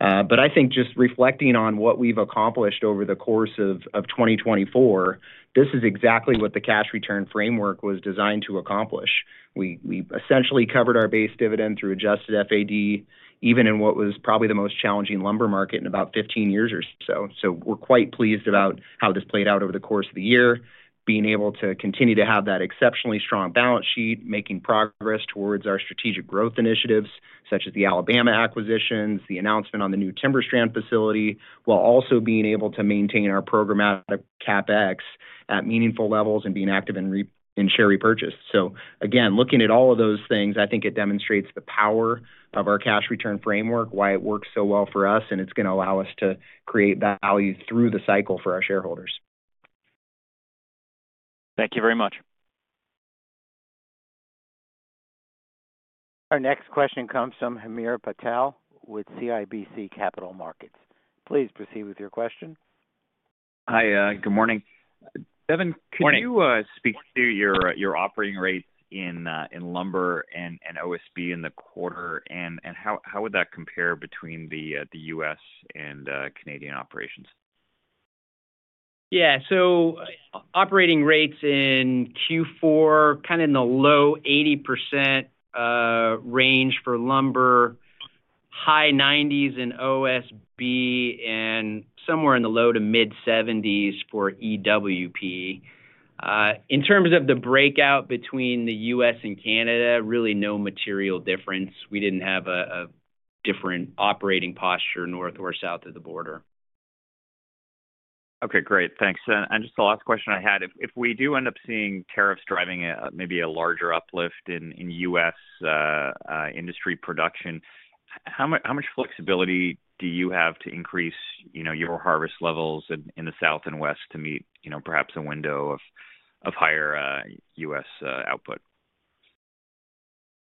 [SPEAKER 3] But I think just reflecting on what we've accomplished over the course of 2024, this is exactly what the cash return framework was designed to accomplish. We essentially covered our base dividend through adjusted FAD, even in what was probably the most challenging lumber market in about 15 years or so. So we're quite pleased about how this played out over the course of the year, being able to continue to have that exceptionally strong balance sheet, making progress towards our strategic growth initiatives such as the Alabama acquisitions, the announcement on the new TimberStrand facility, while also being able to maintain our programmatic CapEx at meaningful levels and being active in share repurchase. So again, looking at all of those things, I think it demonstrates the power of our cash return framework, why it works so well for us, and it's going to allow us to create value through the cycle for our shareholders.
[SPEAKER 7] Thank you very much.
[SPEAKER 1] Our next question comes from Hamir Patel with CIBC Capital Markets. Please proceed with your question.
[SPEAKER 8] Hi. Good morning. Devin, could you speak to your operating rates in lumber and OSB in the quarter, and how would that compare between the U.S. and Canadian operations?
[SPEAKER 3] Yeah. So operating rates in Q4, kind of in the low 80% range for lumber, high 90s% in OSB, and somewhere in the low to mid-70s% for EWP. In terms of the breakout between the U.S. and Canada, really no material difference. We didn't have a different operating posture north or south of the border.
[SPEAKER 8] Okay. Great. Thanks. And just the last question I had, if we do end up seeing tariffs driving maybe a larger uplift in U.S. industry production, how much flexibility do you have to increase your harvest levels in the South and West to meet perhaps a window of higher U.S. output?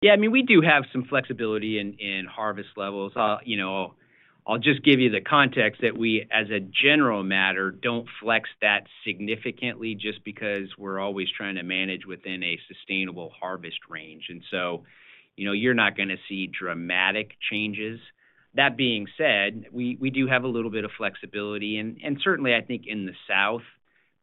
[SPEAKER 3] Yeah. I mean, we do have some flexibility in harvest levels. I'll just give you the context that we, as a general matter, don't flex that significantly just because we're always trying to manage within a sustainable harvest range. And so you're not going to see dramatic changes. That being said, we do have a little bit of flexibility. And certainly, I think in the South,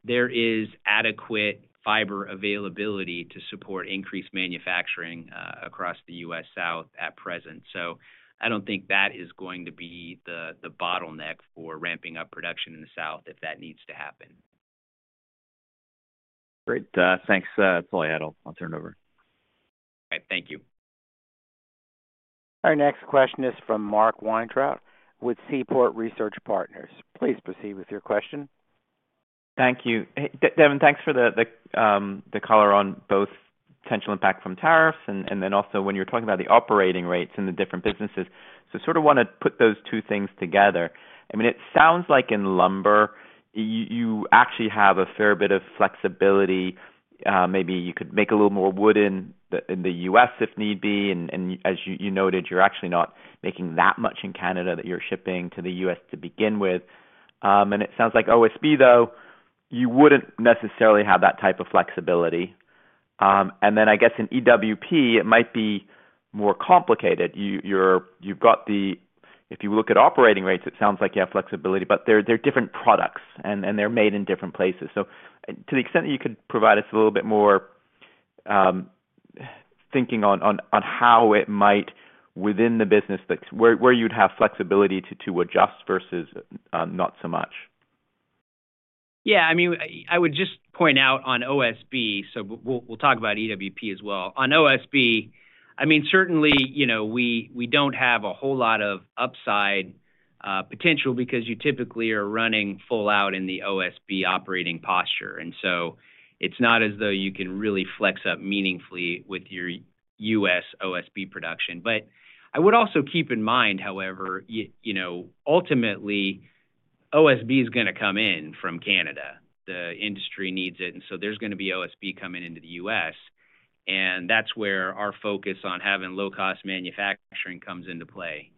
[SPEAKER 3] there is adequate fiber availability to support increased manufacturing across the U.S. South at present. So I don't think that is going to be the bottleneck for ramping up production in the South if that needs to happen.
[SPEAKER 8] Great. Thanks. That's all I had. I'll turn it over.
[SPEAKER 3] All right. Thank you.
[SPEAKER 1] Our next question is from Mark Weintraub with Seaport Research Partners. Please proceed with your question.
[SPEAKER 9] Thank you. Devin, thanks for the color on both potential impact from tariffs and then also when you're talking about the operating rates in the different businesses. So sort of want to put those two things together. I mean, it sounds like in lumber, you actually have a fair bit of flexibility. Maybe you could make a little more wood in the U.S. if need be. And as you noted, you're actually not making that much in Canada that you're shipping to the U.S. to begin with. It sounds like OSB, though, you wouldn't necessarily have that type of flexibility. Then I guess in EWP, it might be more complicated. You've got the, if you look at operating rates, it sounds like you have flexibility, but they're different products, and they're made in different places. To the extent that you could provide us a little bit more thinking on how it might within the business, where you'd have flexibility to adjust versus not so much.
[SPEAKER 3] Yeah. I mean, I would just point out on OSB, so we'll talk about EWP as well. On OSB, I mean, certainly, we don't have a whole lot of upside potential because you typically are running full out in the OSB operating posture. So it's not as though you can really flex up meaningfully with your U.S. OSB production. But I would also keep in mind, however, ultimately, OSB is going to come in from Canada. The industry needs it. And so there's going to be OSB coming into the U.S. And that's where our focus on having low-cost manufacturing comes into play.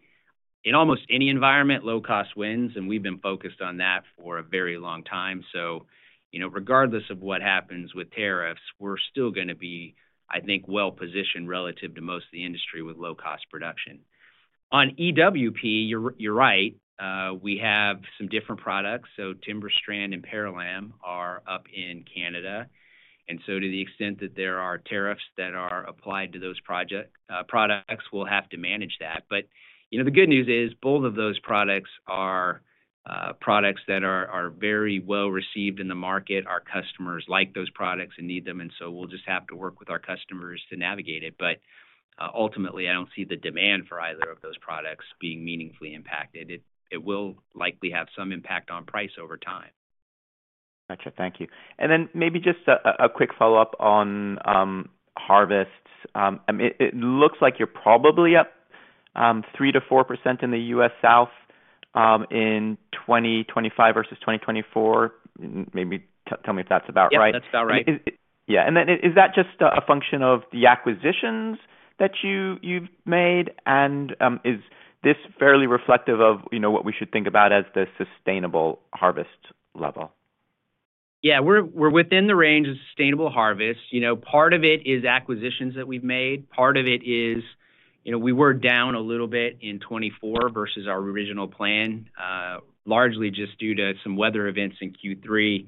[SPEAKER 3] In almost any environment, low-cost wins. And we've been focused on that for a very long time. So regardless of what happens with tariffs, we're still going to be, I think, well-positioned relative to most of the industry with low-cost production. On EWP, you're right. We have some different products. So TimberStrand and Parallam are up in Canada. And so to the extent that there are tariffs that are applied to those products, we'll have to manage that. But the good news is both of those products are products that are very well-received in the market. Our customers like those products and need them. And so we'll just have to work with our customers to navigate it. But ultimately, I don't see the demand for either of those products being meaningfully impacted. It will likely have some impact on price over time.
[SPEAKER 9] Gotcha. Thank you. And then maybe just a quick follow-up on harvests. It looks like you're probably up 3%-4% in the U.S. South in 2025 versus 2024. Maybe tell me if that's about right.
[SPEAKER 3] Yeah. That's about right.
[SPEAKER 9] Yeah. And then is that just a function of the acquisitions that you've made? And is this fairly reflective of what we should think about as the sustainable harvest level?
[SPEAKER 3] Yeah. We're within the range of sustainable harvest. Part of it is acquisitions that we've made. Part of it is we were down a little bit in 2024 versus our original plan, largely just due to some weather events in Q3,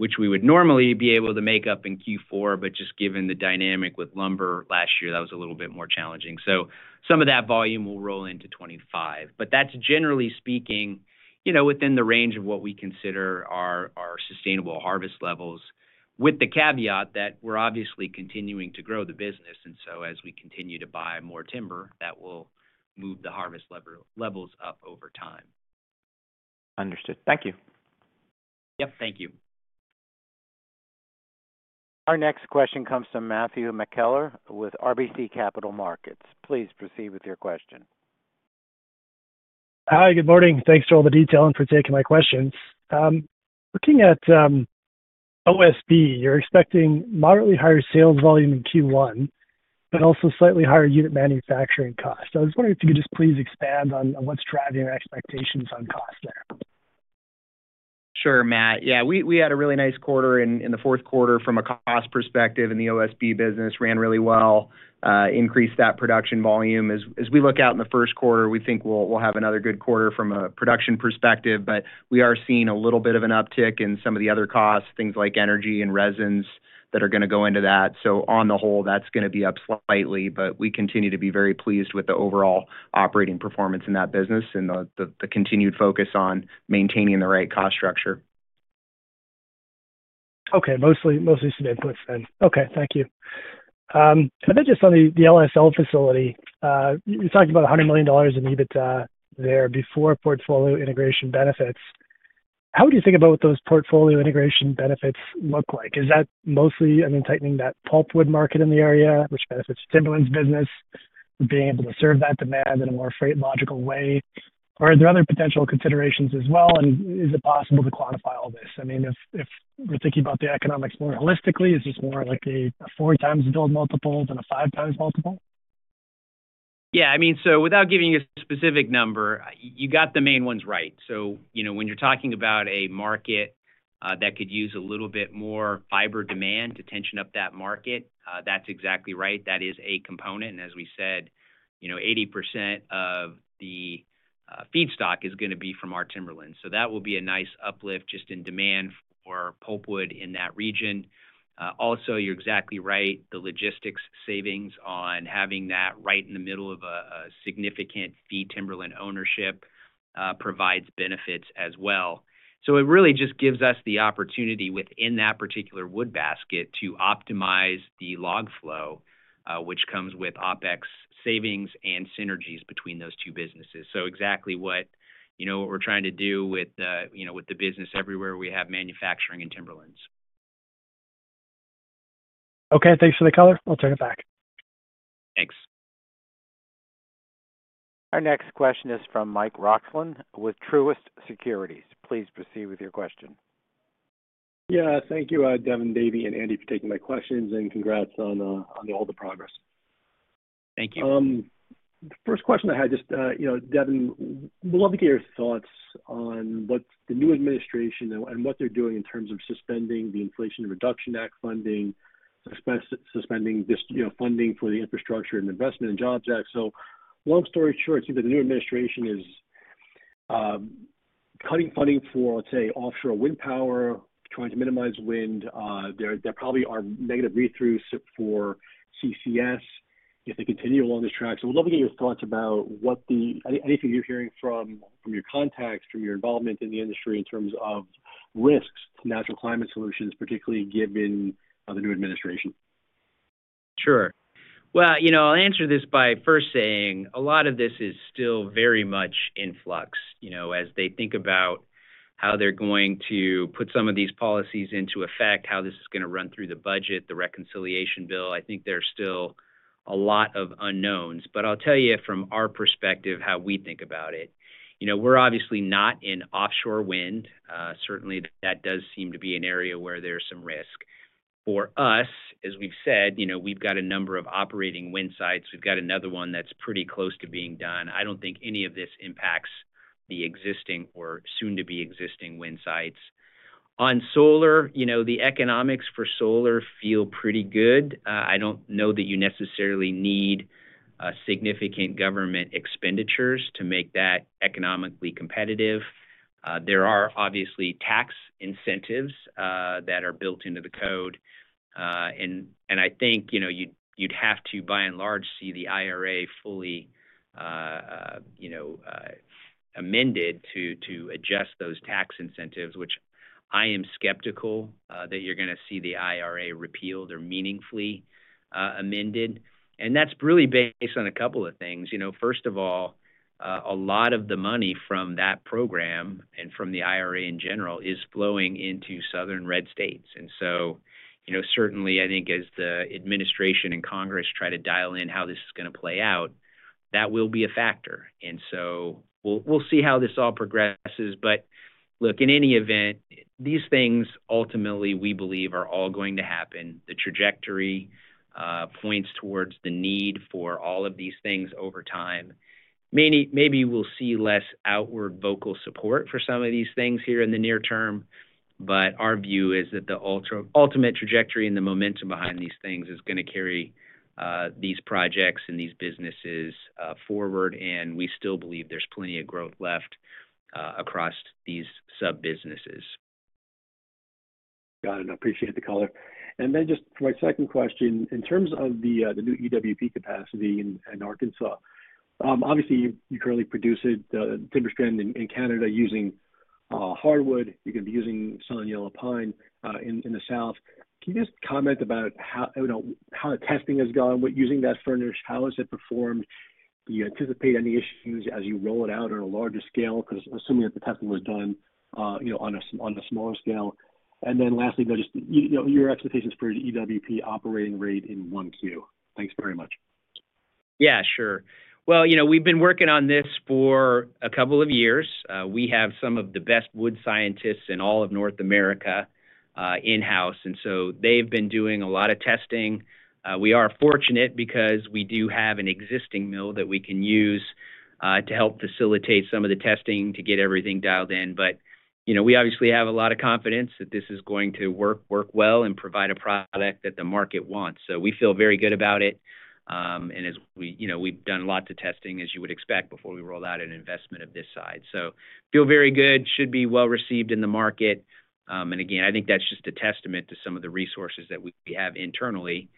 [SPEAKER 3] which we would normally be able to make up in Q4. But just given the dynamic with lumber last year, that was a little bit more challenging. So some of that volume will roll into 2025. But that's generally speaking within the range of what we consider our sustainable harvest levels, with the caveat that we're obviously continuing to grow the business. And so as we continue to buy more timber, that will move the harvest levels up over time.
[SPEAKER 9] Understood. Thank you.
[SPEAKER 3] Yep. Thank you.
[SPEAKER 1] Our next question comes from Matthew McKellar with RBC Capital Markets. Please proceed with your question.
[SPEAKER 10] Hi. Good morning. Thanks for all the detail and for taking my questions. Looking at OSB, you're expecting moderately higher sales volume in Q1, but also slightly higher unit manufacturing costs. I was wondering if you could just please expand on what's driving your expectations on cost there.
[SPEAKER 3] Sure, Matt. Yeah. We had a really nice quarter in the Q4 from a cost perspective in the OSB business. Ran really well. Increased that production volume. As we look out in the Q1, we think we'll have another good quarter from a production perspective. But we are seeing a little bit of an uptick in some of the other costs, things like energy and resins that are going to go into that. So on the whole, that's going to be up slightly. But we continue to be very pleased with the overall operating performance in that business and the continued focus on maintaining the right cost structure.
[SPEAKER 10] Okay. Mostly some inputs then. Okay. Thank you. And then just on the LSL facility, you talked about $100 million in EBITDA there before portfolio integration benefits. How would you think about what those portfolio integration benefits look like? Is that mostly, I mean, tightening that pulpwood market in the area, which benefits Timberlands' business, being able to serve that demand in a more freight-logical way? Or are there other potential considerations as well? And is it possible to quantify all this? I mean, if we're thinking about the economics more holistically, is this more like a four times build multiple than a five times multiple?
[SPEAKER 3] Yeah. I mean, so without giving you a specific number, you got the main ones right. So when you're talking about a market that could use a little bit more fiber demand to tension up that market, that's exactly right. That is a component. And as we said, 80% of the feedstock is going to be from our timberlands. So that will be a nice uplift just in demand for pulpwood in that region. Also, you're exactly right. The logistics savings on having that right in the middle of a significant feedstock timberlands ownership provides benefits as well. So it really just gives us the opportunity within that particular wood basket to optimize the log flow, which comes with OpEx savings and synergies between those two businesses. So exactly what we're trying to do with the business everywhere we have manufacturing in timberlands.
[SPEAKER 10] Okay. Thanks for the color. I'll turn it back.
[SPEAKER 3] Thanks.
[SPEAKER 1] Our next question is from Mike Roxland with Truist Securities. Please proceed with your question.
[SPEAKER 11] Yeah. Thank you, Devin, Davy, and Andy for taking my questions. And congrats on all the progress.
[SPEAKER 3] Thank you.
[SPEAKER 11] The first question I had, just Devin, we'd love to get your thoughts on what the new administration and what they're doing in terms of suspending the Inflation Reduction Act funding, suspending funding for the Infrastructure Investment and Jobs Act. So long story short, it seems that the new administration is cutting funding for, let's say, offshore wind power, trying to minimize wind. There probably are negative read-throughs for CCS if they continue along this track. So we'd love to get your thoughts about anything you're hearing from your contacts, from your involvement in the industry in terms of risks to natural climate solutions, particularly given the new administration.
[SPEAKER 3] Sure. Well, I'll answer this by first saying a lot of this is still very much in flux. As they think about how they're going to put some of these policies into effect, how this is going to run through the budget, the reconciliation bill, I think there's still a lot of unknowns. But I'll tell you from our perspective how we think about it. We're obviously not in offshore wind. Certainly, that does seem to be an area where there's some risk. For us, as we've said, we've got a number of operating wind sites. We've got another one that's pretty close to being done. I don't think any of this impacts the existing or soon-to-be-existing wind sites. On solar, the economics for solar feel pretty good. I don't know that you necessarily need significant government expenditures to make that economically competitive. There are obviously tax incentives that are built into the code. And I think you'd have to, by and large, see the IRA fully amended to adjust those tax incentives, which I am skeptical that you're going to see the IRA repealed or meaningfully amended. And that's really based on a couple of things. First of all, a lot of the money from that program and from the IRA in general is flowing into southern red states. And so certainly, I think as the administration and Congress try to dial in how this is going to play out, that will be a factor. And so we'll see how this all progresses. But look, in any event, these things ultimately, we believe, are all going to happen. The trajectory points towards the need for all of these things over time. Maybe we'll see less outward vocal support for some of these things here in the near term. But our view is that the ultimate trajectory and the momentum behind these things is going to carry these projects and these businesses forward. And we still believe there's plenty of growth left across these sub-businesses.
[SPEAKER 11] Got it. I appreciate the color. And then just my second question, in terms of the new EWP capacity in Arkansas, obviously, you currently produce it, TimberStrand in Canada using hardwood. You're going to be using Southern Yellow Pine in the South. Can you just comment about how the testing has gone with using that furnish? How has it performed? Do you anticipate any issues as you roll it out on a larger scale? Because assuming that the testing was done on a smaller scale. And then lastly, just your expectations for EWP operating rate in 1Q. Thanks very much.
[SPEAKER 3] Yeah. Sure. We've been working on this for a couple of years. We have some of the best wood scientists in all of North America in-house. They've been doing a lot of testing. We are fortunate because we do have an existing mill that we can use to help facilitate some of the testing to get everything dialed in. We obviously have a lot of confidence that this is going to work well and provide a product that the market wants. We feel very good about it. We've done lots of testing, as you would expect, before we rolled out an investment of this size. We feel very good. It should be well-received in the market. That's just a testament to some of the resources that we have internally.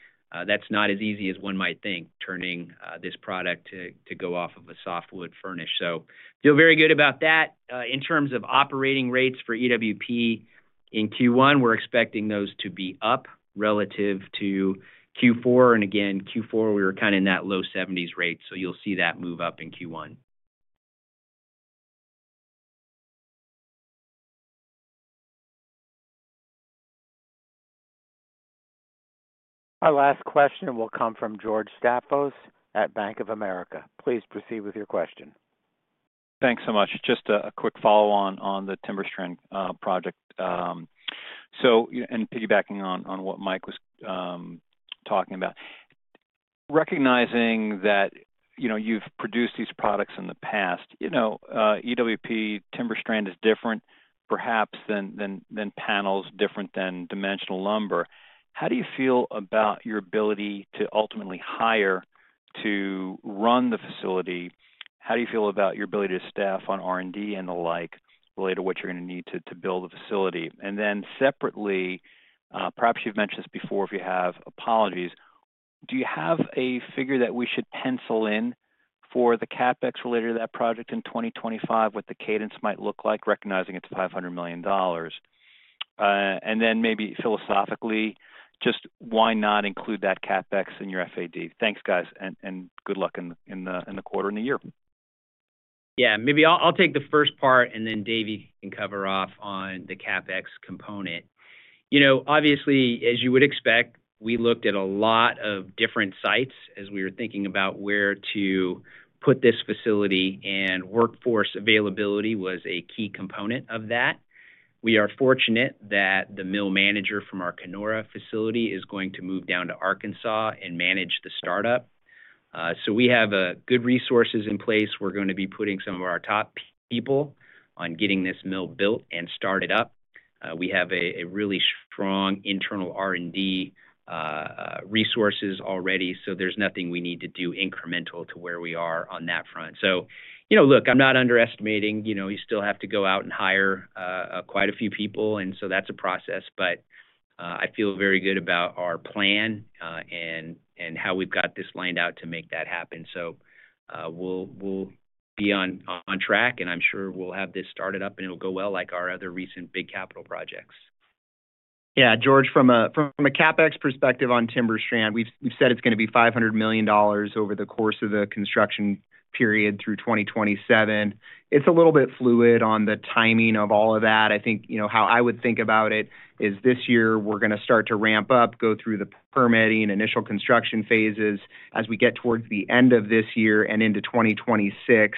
[SPEAKER 3] That's not as easy as one might think, turning this product to go off of a softwood furnish. So feel very good about that. In terms of operating rates for EWP in Q1, we're expecting those to be up relative to Q4. And again, Q4, we were kind of in that low 70s% rate. So you'll see that move up in Q1.
[SPEAKER 1] Our last question will come from George Staphos at Bank of America. Please proceed with your question.
[SPEAKER 7] Thanks so much. Just a quick follow-on on the TimberStrand project. And piggybacking on what Mike was talking about, recognizing that you've produced these products in the past, EWP TimberStrand is different, perhaps, than panels, different than dimensional lumber. How do you feel about your ability to ultimately hire to run the facility? How do you feel about your ability to staff on R&D and the like related to what you're going to need to build the facility? And then separately, perhaps you've mentioned this before, if you have apologies, do you have a figure that we should pencil in for the CapEx related to that project in 2025, what the cadence might look like, recognizing it's $500 million? And then maybe philosophically, just why not include that CapEx in your FAD? Thanks, guys. And good luck in the quarter and the year.
[SPEAKER 3] Yeah. Maybe I'll take the first part, and then Davy can cover off on the CapEx component. Obviously, as you would expect, we looked at a lot of different sites as we were thinking about where to put this facility, and workforce availability was a key component of that. We are fortunate that the mill manager from our Kenora facility is going to move down to Arkansas and manage the startup. So we have good resources in place. We're going to be putting some of our top people on getting this mill built and started up. We have a really strong internal R&D resources already, so there's nothing we need to do incremental to where we are on that front. So look, I'm not underestimating. You still have to go out and hire quite a few people. And so that's a process. But I feel very good about our plan and how we've got this lined out to make that happen. So we'll be on track, and I'm sure we'll have this started up, and it'll go well like our other recent big capital projects.
[SPEAKER 4] Yeah. George, from a CapEx perspective on TimberStrand, we've said it's going to be $500 million over the course of the construction period through 2027. It's a little bit fluid on the timing of all of that. I think how I would think about it is this year, we're going to start to ramp up, go through the permitting, initial construction phases. As we get towards the end of this year and into 2026,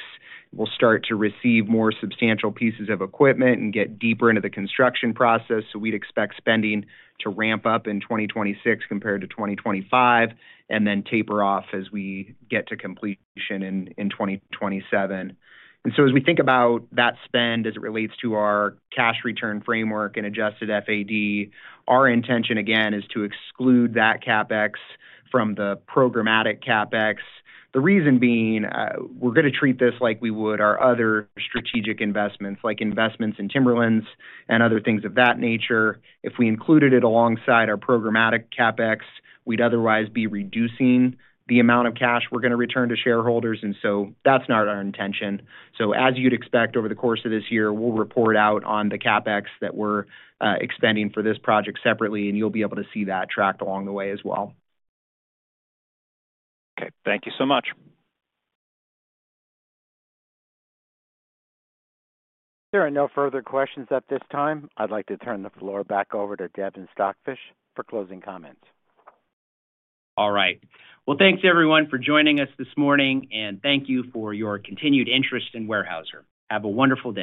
[SPEAKER 4] we'll start to receive more substantial pieces of equipment and get deeper into the construction process. We'd expect spending to ramp up in 2026 compared to 2025 and then taper off as we get to completion in 2027. As we think about that spend as it relates to our cash return framework and adjusted FAD, our intention, again, is to exclude that CapEx from the programmatic CapEx. The reason being, we're going to treat this like we would our other strategic investments, like investments in Timberlands and other things of that nature. If we included it alongside our programmatic CapEx, we'd otherwise be reducing the amount of cash we're going to return to shareholders, and so that's not our intention, so as you'd expect, over the course of this year, we'll report out on the CapEx that we're expending for this project separately, and you'll be able to see that tracked along the way as well.
[SPEAKER 7] Okay. Thank you so much.
[SPEAKER 1] There are no further questions at this time. I'd like to turn the floor back over to Devin Stockfish for closing comments.
[SPEAKER 3] All right, well, thanks, everyone, for joining us this morning, and thank you for your continued interest in Weyerhaeuser. Have a wonderful day.